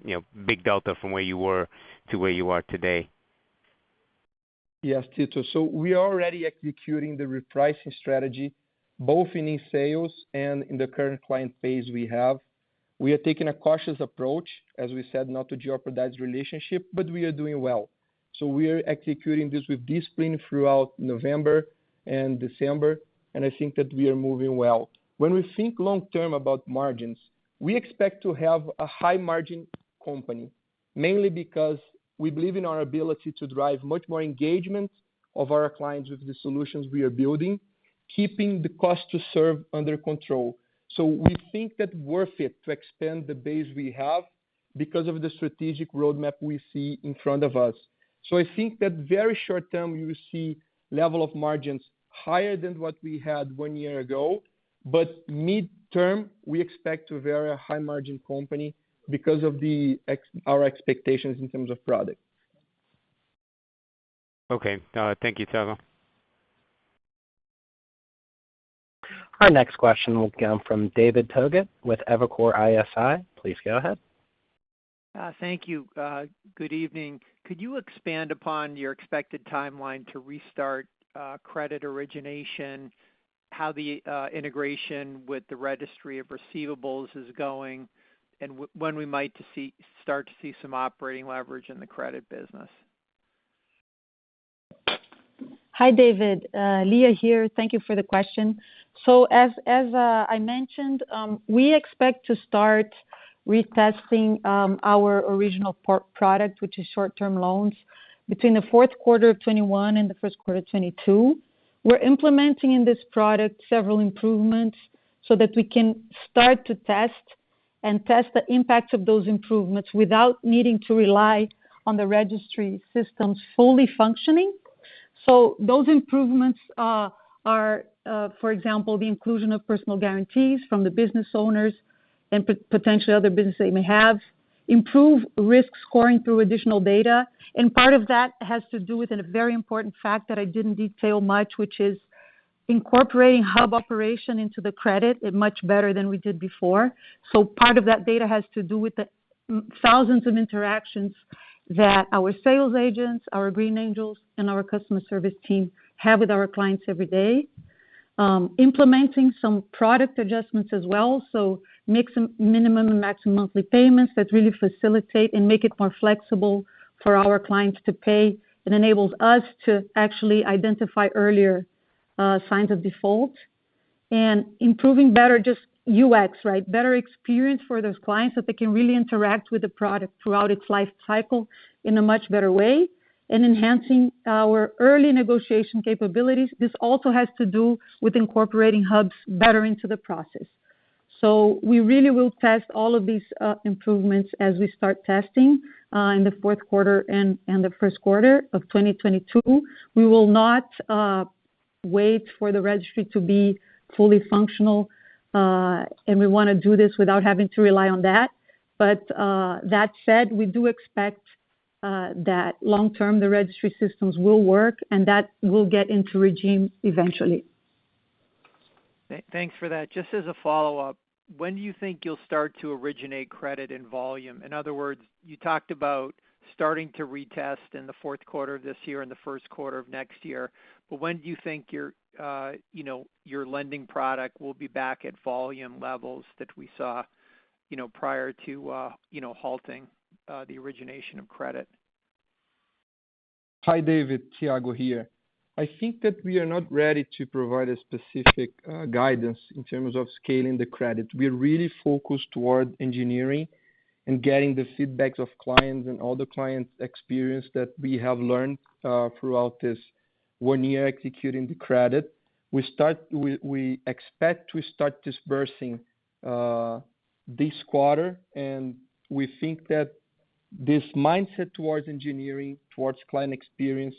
you know, big delta from where you were to where you are today. Yes, Tito. We are already executing the repricing strategy, both in new sales and in the current client base we have. We are taking a cautious approach, as we said, not to jeopardize relationship, but we are doing well. We are executing this with discipline throughout November and December, and I think that we are moving well. When we think long term about margins, we expect to have a high margin company, mainly because we believe in our ability to drive much more engagement of our clients with the solutions we are building, keeping the cost to serve under control. We think that worth it to expand the base we have because of the strategic roadmap we see in front of us. I think that very short term, you will see level of margins higher than what we had one year ago. Midterm, we expect to be a very high-margin company because of the higher expectations in terms of product. Okay. Thank you, Thiago. Our next question will come from David Togut with Evercore ISI. Please go ahead. Thank you. Good evening. Could you expand upon your expected timeline to restart credit origination, how the integration with the registry of receivables is going, and when we might start to see some operating leverage in the credit business? Hi, David. Lia here. Thank you for the question. I mentioned we expect to start retesting our original product, which is short-term loans, between the fourth quarter of 2021 and the first quarter of 2022. We're implementing in this product several improvements so that we can start to test the impact of those improvements without needing to rely on the registry systems fully functioning. Those improvements are, for example, the inclusion of personal guarantees from the business owners and potentially other businesses they may have, improve risk scoring through additional data. Part of that has to do with a very important fact that I didn't detail much, which is incorporating hub operation into the credit much better than we did before. Part of that data has to do with the thousands of interactions that our sales agents, our Green Angels, and our customer service team have with our clients every day. Implementing some product adjustments as well, so make some minimum and maximum monthly payments that really facilitate and make it more flexible for our clients to pay. It enables us to actually identify earlier signs of default. Improving better just UX, right? Better experience for those clients, that they can really interact with the product throughout its life cycle in a much better way, and enhancing our early negotiation capabilities. This also has to do with incorporating hubs better into the process. We really will test all of these improvements as we start testing in the fourth quarter and the first quarter of 2022. We will not wait for the registry to be fully functional, and we wanna do this without having to rely on that. That said, we do expect that long term, the registry systems will work and that will get into regime eventually. Thanks for that. Just as a follow-up, when do you think you'll start to originate credit and volume? In other words, you talked about starting to retest in the fourth quarter of this year and the first quarter of next year. But when do you think your, you know, your lending product will be back at volume levels that we saw, you know, prior to, you know, halting the origination of credit? Hi, David. Thiago here. I think that we are not ready to provide a specific guidance in terms of scaling the credit. We are really focused toward engineering and getting the feedbacks of clients and all the clients' experience that we have learned throughout this one year executing the credit. We expect to start dispersing this quarter, and we think that this mindset towards engineering, towards client experience,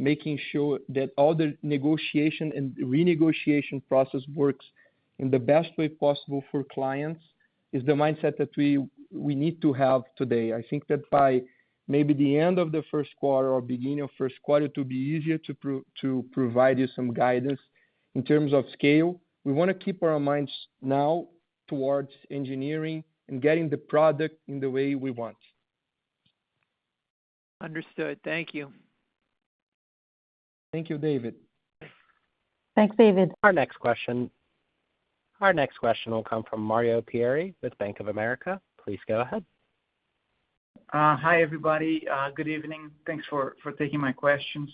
making sure that all the negotiation and renegotiation process works in the best way possible for clients, is the mindset that we need to have today. I think that by maybe the end of the first quarter or beginning of first quarter, it'll be easier to provide you some guidance in terms of scale. We wanna keep our minds now towards engineering and getting the product in the way we want. Understood. Thank you. Thank you, David. Thanks, David. Our next question will come from Mario Pierry with Bank of America. Please go ahead. Hi, everybody. Good evening. Thanks for taking my questions.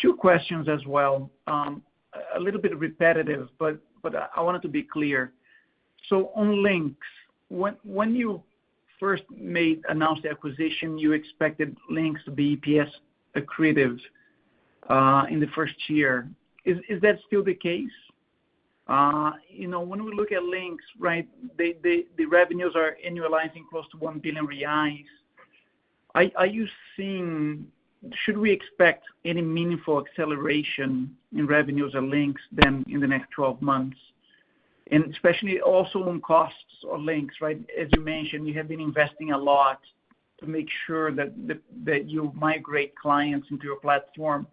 Two questions as well. A little bit repetitive, but I wanted to be clear. On Linx, when you first announced the acquisition, you expected Linx to be EPS accretive in the first year. Is that still the case? You know, when we look at Linx, right, the revenues are annualizing close to 1 billion reais. Should we expect any meaningful acceleration in revenues on Linx in the next 12 months? Especially also on costs on Linx, right? As you mentioned, you have been investing a lot to make sure that you migrate clients into your platform.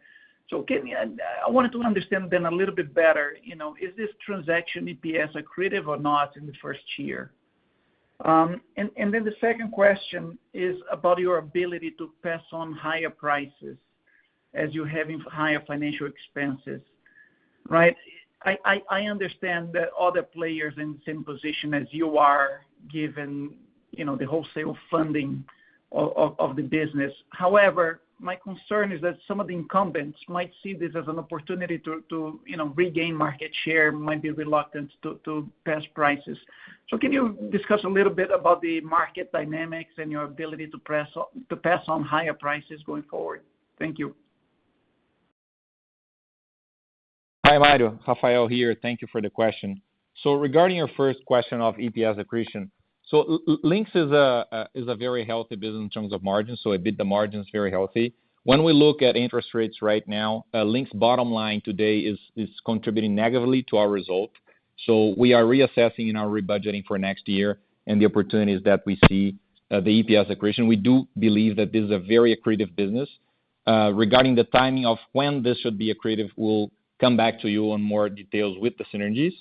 Can-- I wanted to understand then a little bit better, you know, is this transaction EPS accretive or not in the first year? And then the second question is about your ability to pass on higher prices as you're having higher financial expenses, right? I understand that other players in the same position as you are given, you know, the wholesale funding of the business. However, my concern is that some of the incumbents might see this as an opportunity to, you know, regain market share, might be reluctant to pass prices. Can you discuss a little bit about the market dynamics and your ability to pass on higher prices going forward? Thank you. Hi, Mario. Rafael here. Thank you for the question. Regarding your first question of EPS accretion. Linx is a very healthy business in terms of margins, so EBITDA margin is very healthy. When we look at interest rates right now, Linx bottom line today is contributing negatively to our results. We are reassessing in our rebudgeting for next year and the opportunities that we see, the EPS accretion. We do believe that this is a very accretive business. Regarding the timing of when this should be accretive, we'll come back to you on more details with the synergies.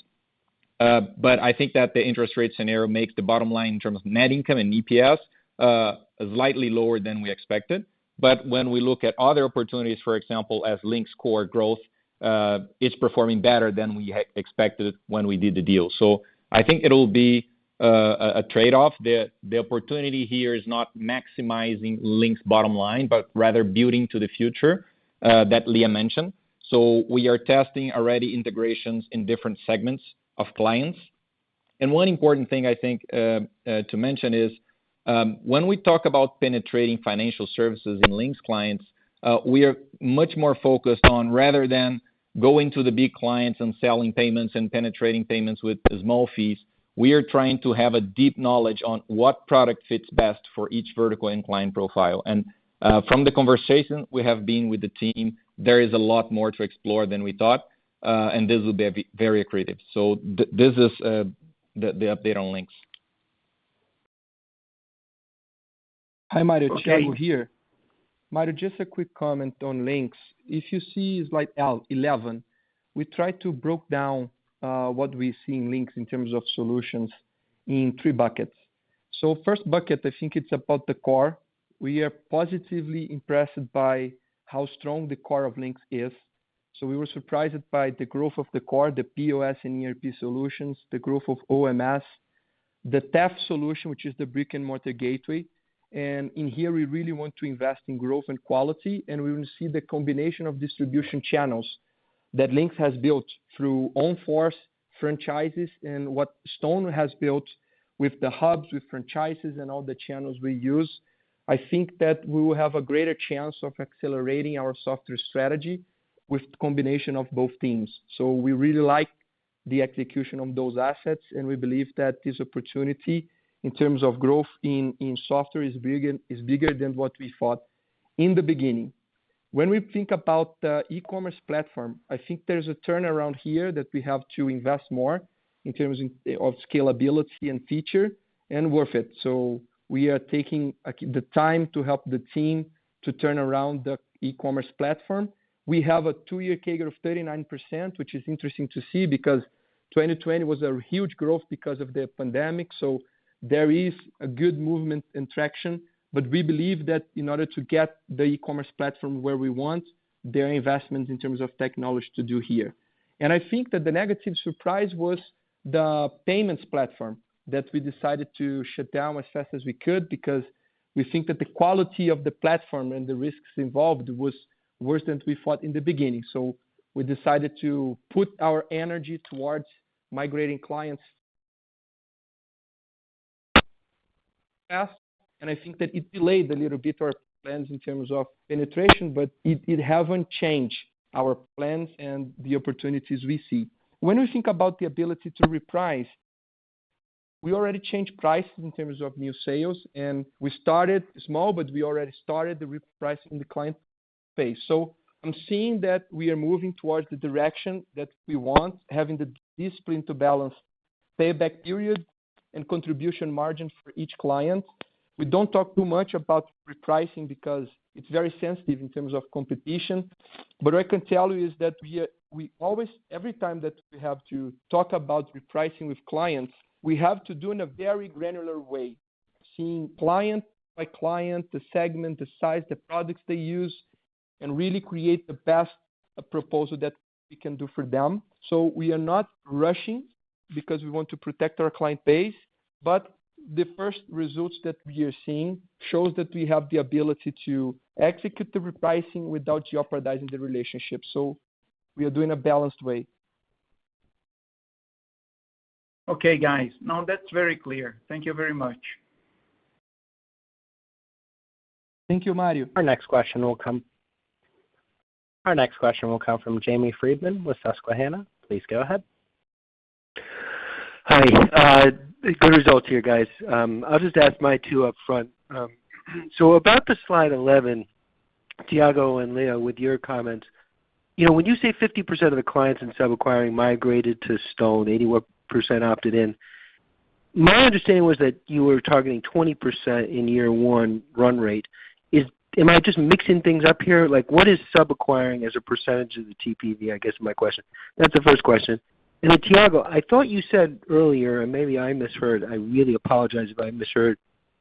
But I think that the interest rate scenario makes the bottom line in terms of net income and EPS slightly lower than we expected. When we look at other opportunities, for example, as Linx core growth, it's performing better than we expected when we did the deal. I think it'll be a tradeoff. The opportunity here is not maximizing Linx bottom line, but rather building to the future that Lia mentioned. We are testing already integrations in different segments of clients. One important thing I think to mention is, when we talk about penetrating financial services and Linx clients, we are much more focused on rather than going to the big clients and selling payments and penetrating payments with small fees, we are trying to have a deep knowledge on what product fits best for each vertical and client profile. From the conversation we have been with the team, there is a lot more to explore than we thought, and this will be very accretive. This is the update on Linx. Hi, Mario. Thiago here. Mario, just a quick comment on Linx. If you see slide eleven, we try to break down what we see in Linx in terms of solutions in three buckets. First bucket, I think it's about the core. We are positively impressed by how strong the core of Linx is. We were surprised by the growth of the core, the POS and ERP solutions, the growth of OMS, the TEF solution, which is the brick-and-mortar gateway. In here, we really want to invest in growth and quality, and we will see the combination of distribution channels that Linx has built through own force franchises and what StoneCo has built with the hubs, with franchises and all the channels we use. I think that we will have a greater chance of accelerating our software strategy with the combination of both teams. We really like the execution on those assets, and we believe that this opportunity in terms of growth in software is bigger than what we thought in the beginning. When we think about the e-commerce platform, I think there's a turnaround here that we have to invest more in terms of scalability and feature and worth it. We are taking the time to help the team to turn around the e-commerce platform. We have a two-year CAGR of 39%, which is interesting to see because 2020 was a huge growth because of the pandemic. There is a good movement and traction. We believe that in order to get the e-commerce platform where we want, there are investments in terms of technology to do here. I think that the negative surprise was the payments platform that we decided to shut down as fast as we could because we think that the quality of the platform and the risks involved was worse than we thought in the beginning. We decided to put our energy toward migrating clients fast. I think that it delayed a little bit our plans in terms of penetration, but it hasn't changed our plans and the opportunities we see. When we think about the ability to reprice, we already changed prices in terms of new sales, and we started small, but we already started repricing the client base. I'm seeing that we are moving toward the direction that we want, having the discipline to balance payback period and contribution margin for each client. We don't talk too much about repricing because it's very sensitive in terms of competition. What I can tell you is that we always every time that we have to talk about repricing with clients, we have to do in a very granular way, seeing client by client, the segment, the size, the products they use, and really create the best proposal that we can do for them. We are not rushing because we want to protect our client base. The first results that we are seeing shows that we have the ability to execute the repricing without jeopardizing the relationship. We are doing a balanced way. Okay, guys. Now that's very clear. Thank you very much. Thank you, Mario. Our next question will come from Jamie Friedman with Susquehanna. Please go ahead. Hi. Good results here, guys. I'll just ask my two up front. So about the slide 11, Thiago and Lia, with your comments, you know, when you say 50% of the clients in sub-acquiring migrated to StoneCo, 81% opted in, my understanding was that you were targeting 20% in year one run rate. Am I just mixing things up here? Like, what is sub-acquiring as a percentage of the TPV, I guess, is my question. That's the first question. Then Thiago, I thought you said earlier, and maybe I misheard, I really apologize if I misheard,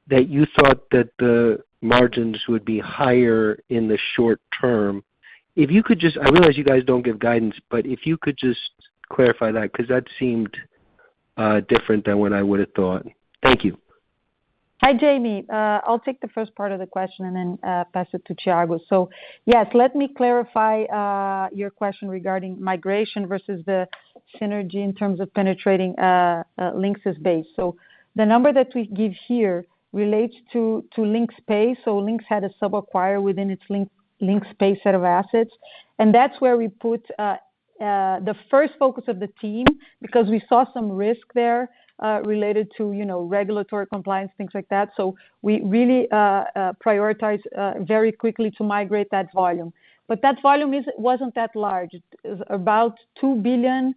that you thought that the margins would be higher in the short term. I realize you guys don't give guidance, but if you could just clarify that because that seemed different than what I would have thought. Thank you. Hi, Jamie. I'll take the first part of the question and then pass it to Thiago. Yes, let me clarify your question regarding migration versus the synergy in terms of penetrating Linx's base. The number that we give here relates to Linx Pay. Linx had a sub-acquirer within its Linx Pay set of assets, and that's where we put the first focus of the team, because we saw some risk there related to, you know, regulatory compliance, things like that. We really prioritize very quickly to migrate that volume. That volume wasn't that large. It's about 2 billion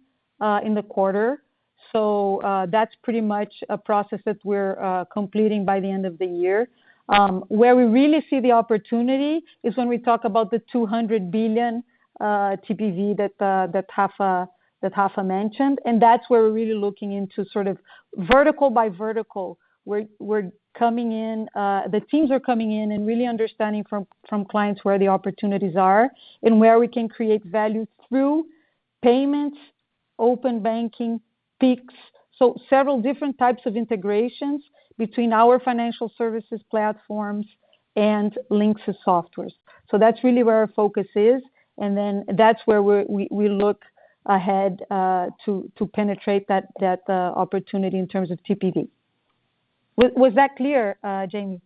in the quarter. That's pretty much a process that we're completing by the end of the year. Where we really see the opportunity is when we talk about the 200 billion TPV that Rafa mentioned. That's where we're really looking into sort of vertical by vertical. We're coming in, the teams are coming in and really understanding from clients where the opportunities are and where we can create value through payments, open banking, Pix. Several different types of integrations between our financial services platforms and Linx's softwares. That's really where our focus is, and then that's where we look ahead to penetrate that opportunity in terms of TPV. Was that clear, Jamie?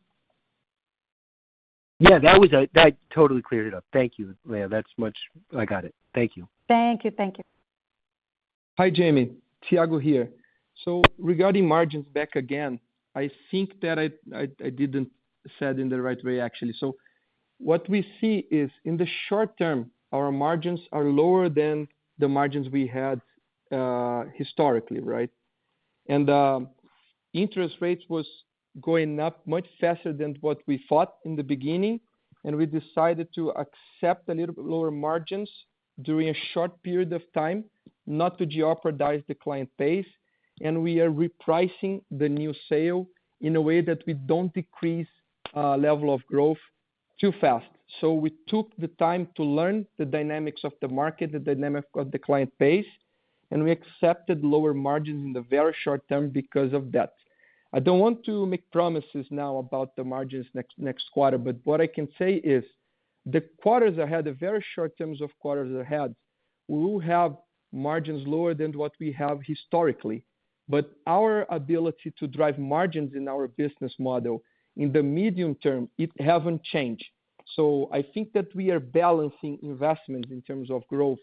Yeah, that totally cleared it up. Thank you, Lia. That's much. I got it. Thank you. Thank you. Thank you. Hi, Jamie. Thiago here. Regarding margins, back again, I think that I didn't said in the right way, actually. What we see is in the short term, our margins are lower than the margins we had historically, right? Interest rates was going up much faster than what we thought in the beginning, and we decided to accept a little bit lower margins during a short period of time not to jeopardize the client base. We are repricing the new sale in a way that we don't decrease level of growth too fast. We took the time to learn the dynamics of the market, the dynamic of the client base, and we accepted lower margins in the very short term because of that. I don't want to make promises now about the margins next quarter, but what I can say is the quarters ahead, the very short terms of quarters ahead, we will have margins lower than what we have historically. Our ability to drive margins in our business model in the medium term, it haven't changed. I think that we are balancing investments in terms of growth,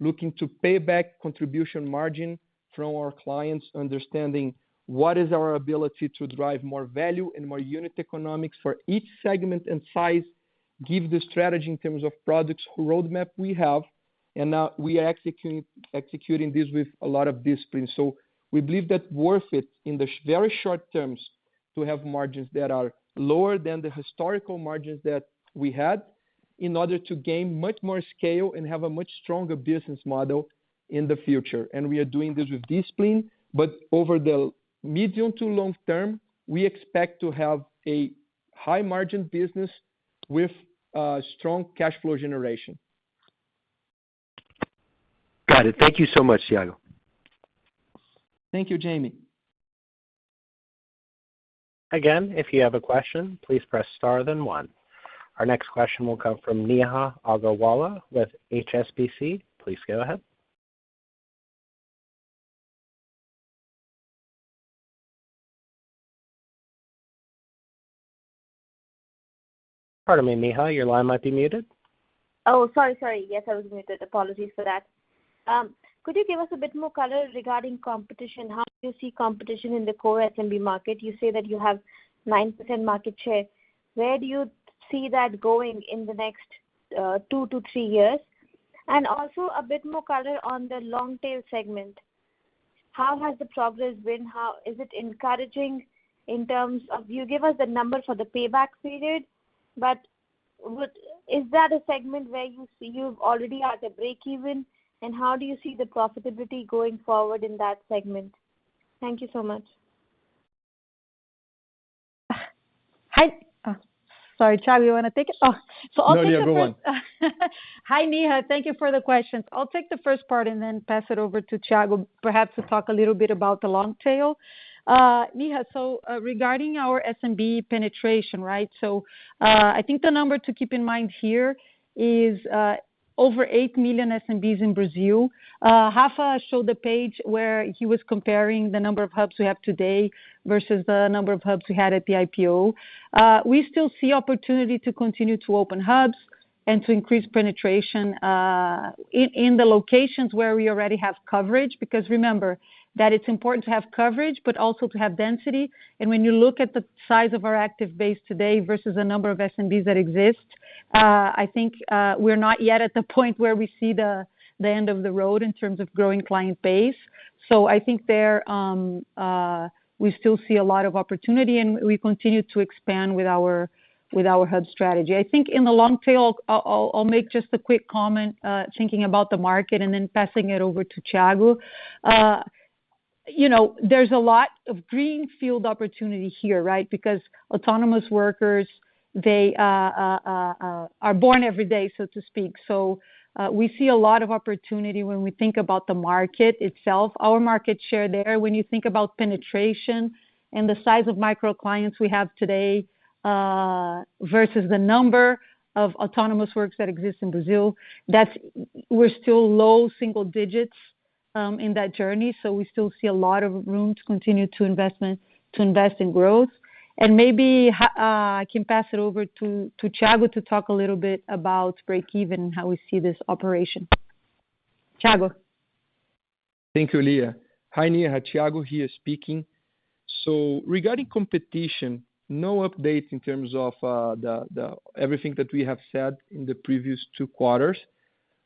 looking to pay back contribution margin from our clients, understanding what is our ability to drive more value and more unit economics for each segment and size, give the strategy in terms of products roadmap we have. We are executing this with a lot of discipline. We believe that worth it in the very short terms to have margins that are lower than the historical margins that we had in order to gain much more scale and have a much stronger business model in the future. We are doing this with discipline, but over the medium to long term, we expect to have a high margin business with strong cash flow generation. Got it. Thank you so much, Thiago. Thank you, Jamie. Again, if you have a question, please press star then one. Our next question will come from Neha Agarwala with HSBC. Please go ahead. Pardon me, Neha, your line might be muted. Oh, sorry. Yes, I was muted. Apologies for that. Could you give us a bit more color regarding competition? How do you see competition in the core SMB market? You say that you have 9% market share. Where do you see that going in the next two to three years? Also a bit more color on the long tail segment. How has the progress been? Is it encouraging in terms of. You gave us the number for the payback period, but is that a segment where you see you're already at breakeven, and how do you see the profitability going forward in that segment? Thank you so much. Hi. Sorry, Thiago, you wanna take it? Oh. No, you go on. I'll take the first part and then pass it over to Thiago, perhaps to talk a little bit about the long tail. Neha, regarding our SMB penetration, right? I think the number to keep in mind here is over 8 million SMBs in Brazil. Rafa showed the page where he was comparing the number of hubs we have today versus the number of hubs we had at the IPO. We still see opportunity to continue to open hubs and to increase penetration in the locations where we already have coverage. Remember that it's important to have coverage, but also to have density. When you look at the size of our active base today versus the number of SMBs that exist, I think we're not yet at the point where we see the end of the road in terms of growing client base. I think there we still see a lot of opportunity, and we continue to expand with our hub strategy. I think in the long tail, I'll make just a quick comment, thinking about the market and then passing it over to Thiago. You know, there's a lot of greenfield opportunity here, right? Because autonomous workers, they are born every day, so to speak. We see a lot of opportunity when we think about the market itself. Our market share there, when you think about penetration and the size of micro clients we have today, versus the number of autonomous workers that exist in Brazil, that's. We're still low single digits in that journey. We still see a lot of room to continue to invest in growth. Maybe I can pass it over to Thiago to talk a little bit about breakeven and how we see this operation. Thiago. Thank you, Lia. Hi, Neha. Thiago here speaking. Regarding competition, no updates in terms of everything that we have said in the previous two quarters.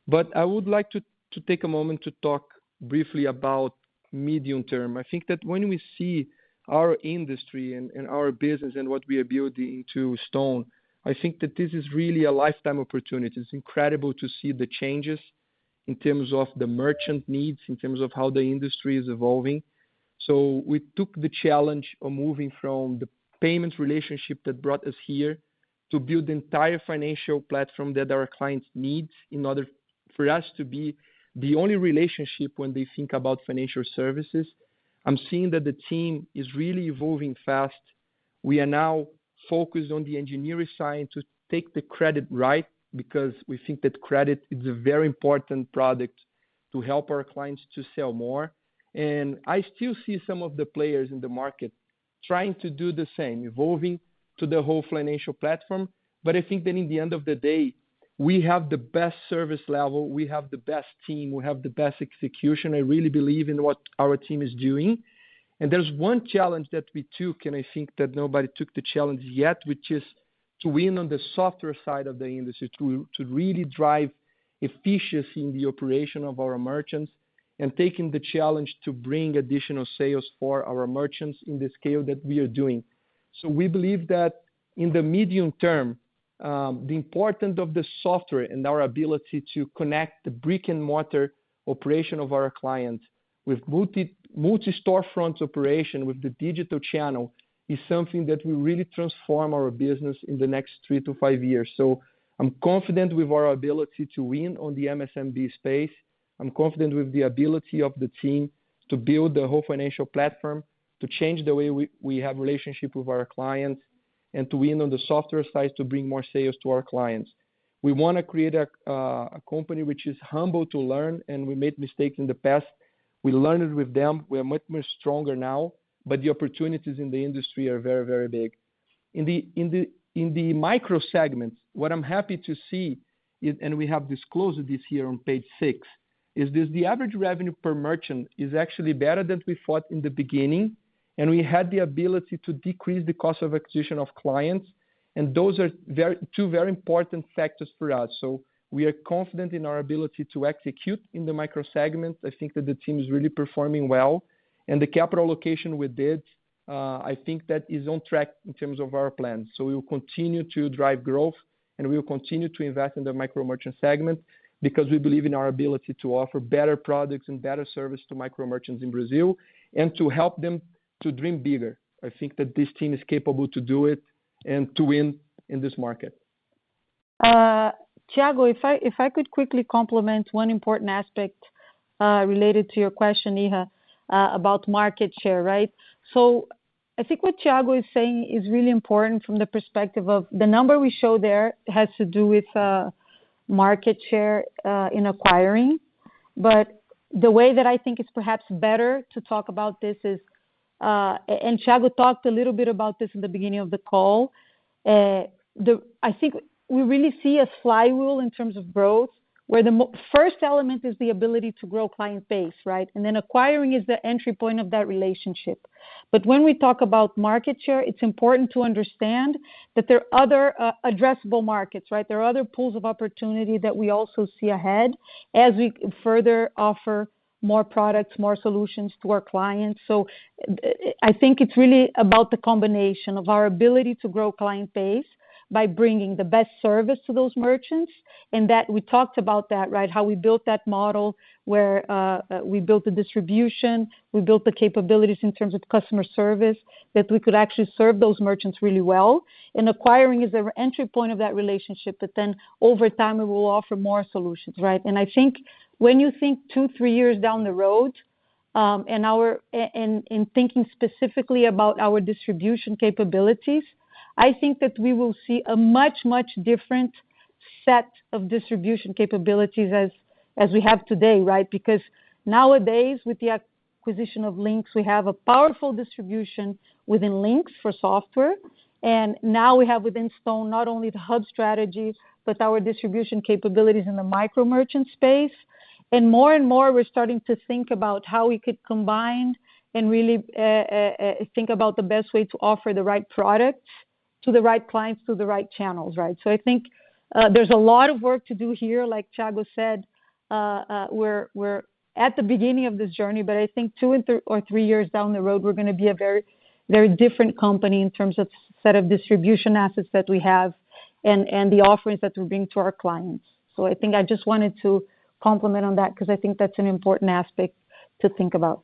But I would like to take a moment to talk briefly about medium term. I think that when we see our industry and our business and what we are building into StoneCo, I think that this is really a lifetime opportunity. It's incredible to see the changes in terms of the merchant needs, in terms of how the industry is evolving. We took the challenge of moving from the payments relationship that brought us here to build the entire financial platform that our clients need in order for us to be the only relationship when they think about financial services. I'm seeing that the team is really evolving fast. We are now focused on the engineering side to take the credit right, because we think that credit is a very important product to help our clients to sell more. I still see some of the players in the market trying to do the same, evolving to the whole financial platform. I think that in the end of the day, we have the best service level, we have the best team, we have the best execution. I really believe in what our team is doing. There's one challenge that we took, and I think that nobody took the challenge yet, which is to win on the software side of the industry, to really drive efficiency in the operation of our merchants and taking the challenge to bring additional sales for our merchants in the scale that we are doing. We believe that in the medium term, the importance of the software and our ability to connect the brick-and-mortar operation of our clients with multi-storefront operation with the digital channel is something that will really transform our business in the next three to five years. I'm confident with our ability to win on the MSMB space. I'm confident with the ability of the team to build the whole financial platform, to change the way we have relationship with our clients, and to win on the software side to bring more sales to our clients. We wanna create a company which is humble to learn, and we made mistakes in the past. We learned with them. We are much stronger now, but the opportunities in the industry are very big. In the micro segments, what I'm happy to see is, we have disclosed this here on page six, the average revenue per merchant is actually better than we thought in the beginning, and we had the ability to decrease the cost of acquisition of clients, and those are two very important factors for us. We are confident in our ability to execute in the micro segments. I think that the team is really performing well. The capital allocation we did, I think that is on track in terms of our plans. We will continue to drive growth, and we will continue to invest in the micro merchant segment because we believe in our ability to offer better products and better service to micro merchants in Brazil and to help them to dream bigger. I think that this team is capable to do it and to win in this market. Thiago, if I could quickly complement one important aspect related to your question, Neha, about market share, right? I think what Thiago is saying is really important from the perspective of the number we show there has to do with market share in acquiring. The way that I think it's perhaps better to talk about this is, and Thiago talked a little bit about this in the beginning of the call. I think we really see a flywheel in terms of growth, where the first element is the ability to grow client base, right? Then acquiring is the entry point of that relationship. When we talk about market share, it's important to understand that there are other addressable markets, right? There are other pools of opportunity that we also see ahead as we further offer more products, more solutions to our clients. I think it's really about the combination of our ability to grow client base by bringing the best service to those merchants, and that we talked about that, right, how we built that model where we built the distribution, we built the capabilities in terms of customer service, that we could actually serve those merchants really well. Acquiring is the entry point of that relationship, but then over time, we will offer more solutions, right? I think when you think two, three years down the road, in thinking specifically about our distribution capabilities, I think that we will see a much different set of distribution capabilities as we have today, right? Because nowadays, with the acquisition of Linx, we have a powerful distribution within Linx for software. Now we have within StoneCo not only the hub strategies, but our distribution capabilities in the micro merchant space. More and more, we're starting to think about how we could combine and really think about the best way to offer the right products to the right clients through the right channels, right? I think there's a lot of work to do here. Like Thiago said, we're at the beginning of this journey, but I think two or three years down the road, we're gonna be a very, very different company in terms of set of distribution assets that we have and the offerings that we bring to our clients. I think I just wanted to comment on that because I think that's an important aspect to think about.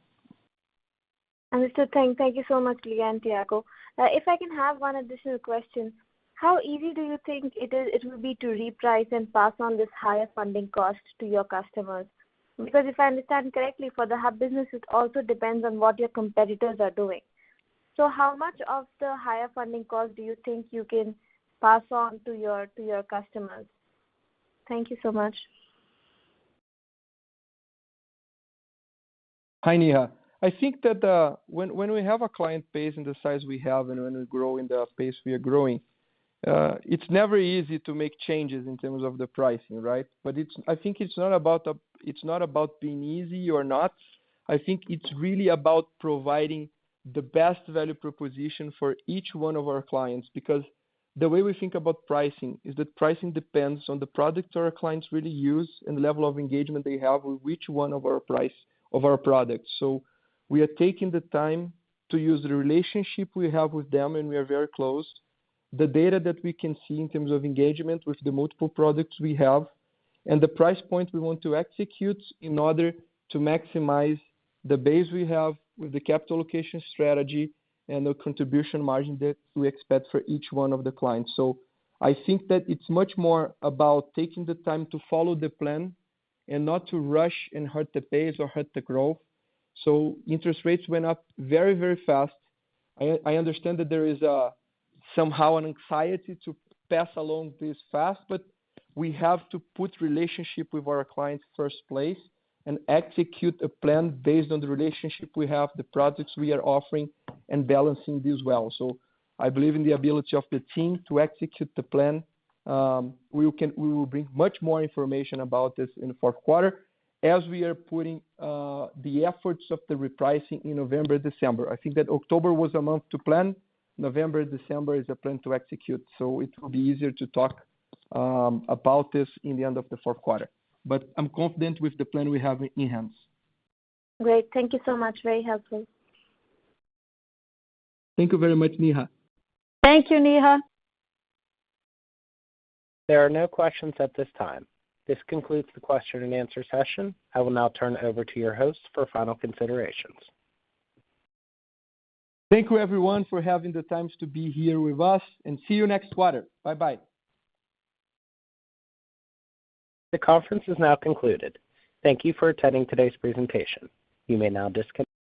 Understood. Thank you so much, Lia and Thiago. If I can have one additional question. How easy do you think it will be to reprice and pass on this higher funding cost to your customers? Because if I understand correctly, for the hub business, it also depends on what your competitors are doing. How much of the higher funding cost do you think you can pass on to your customers? Thank you so much. Hi, Neha. I think that when we have a client base in the size we have and when we grow in the pace we are growing, it's never easy to make changes in terms of the pricing, right? I think it's not about being easy or not. I think it's really about providing the best value proposition for each one of our clients. Because the way we think about pricing is that pricing depends on the products our clients really use and the level of engagement they have with which one of our products. We are taking the time to use the relationship we have with them, and we are very close. The data that we can see in terms of engagement with the multiple products we have and the price point we want to execute in order to maximize the base we have with the capital allocation strategy and the contribution margin that we expect for each one of the clients. I think that it's much more about taking the time to follow the plan and not to rush and hurt the base or hurt the growth. Interest rates went up very, very fast. I understand that there is somehow an anxiety to pass along this fast, but we have to put relationship with our clients first place and execute a plan based on the relationship we have, the products we are offering, and balancing this well. I believe in the ability of the team to execute the plan. We will bring much more information about this in the fourth quarter as we are putting the efforts of the repricing in November, December. I think that October was a month to plan. November, December is a plan to execute, so it will be easier to talk about this in the end of the fourth quarter. I'm confident with the plan we have in hands. Great. Thank you so much. Very helpful. Thank you very much, Neha. Thank you, Neha. There are no questions at this time. This concludes the question-and-answer session. I will now turn it over to your host for final considerations. Thank you everyone for taking the time to be here with us, and see you next quarter. Bye-bye. The conference is now concluded. Thank you for attending today's presentation. You may now disconnect.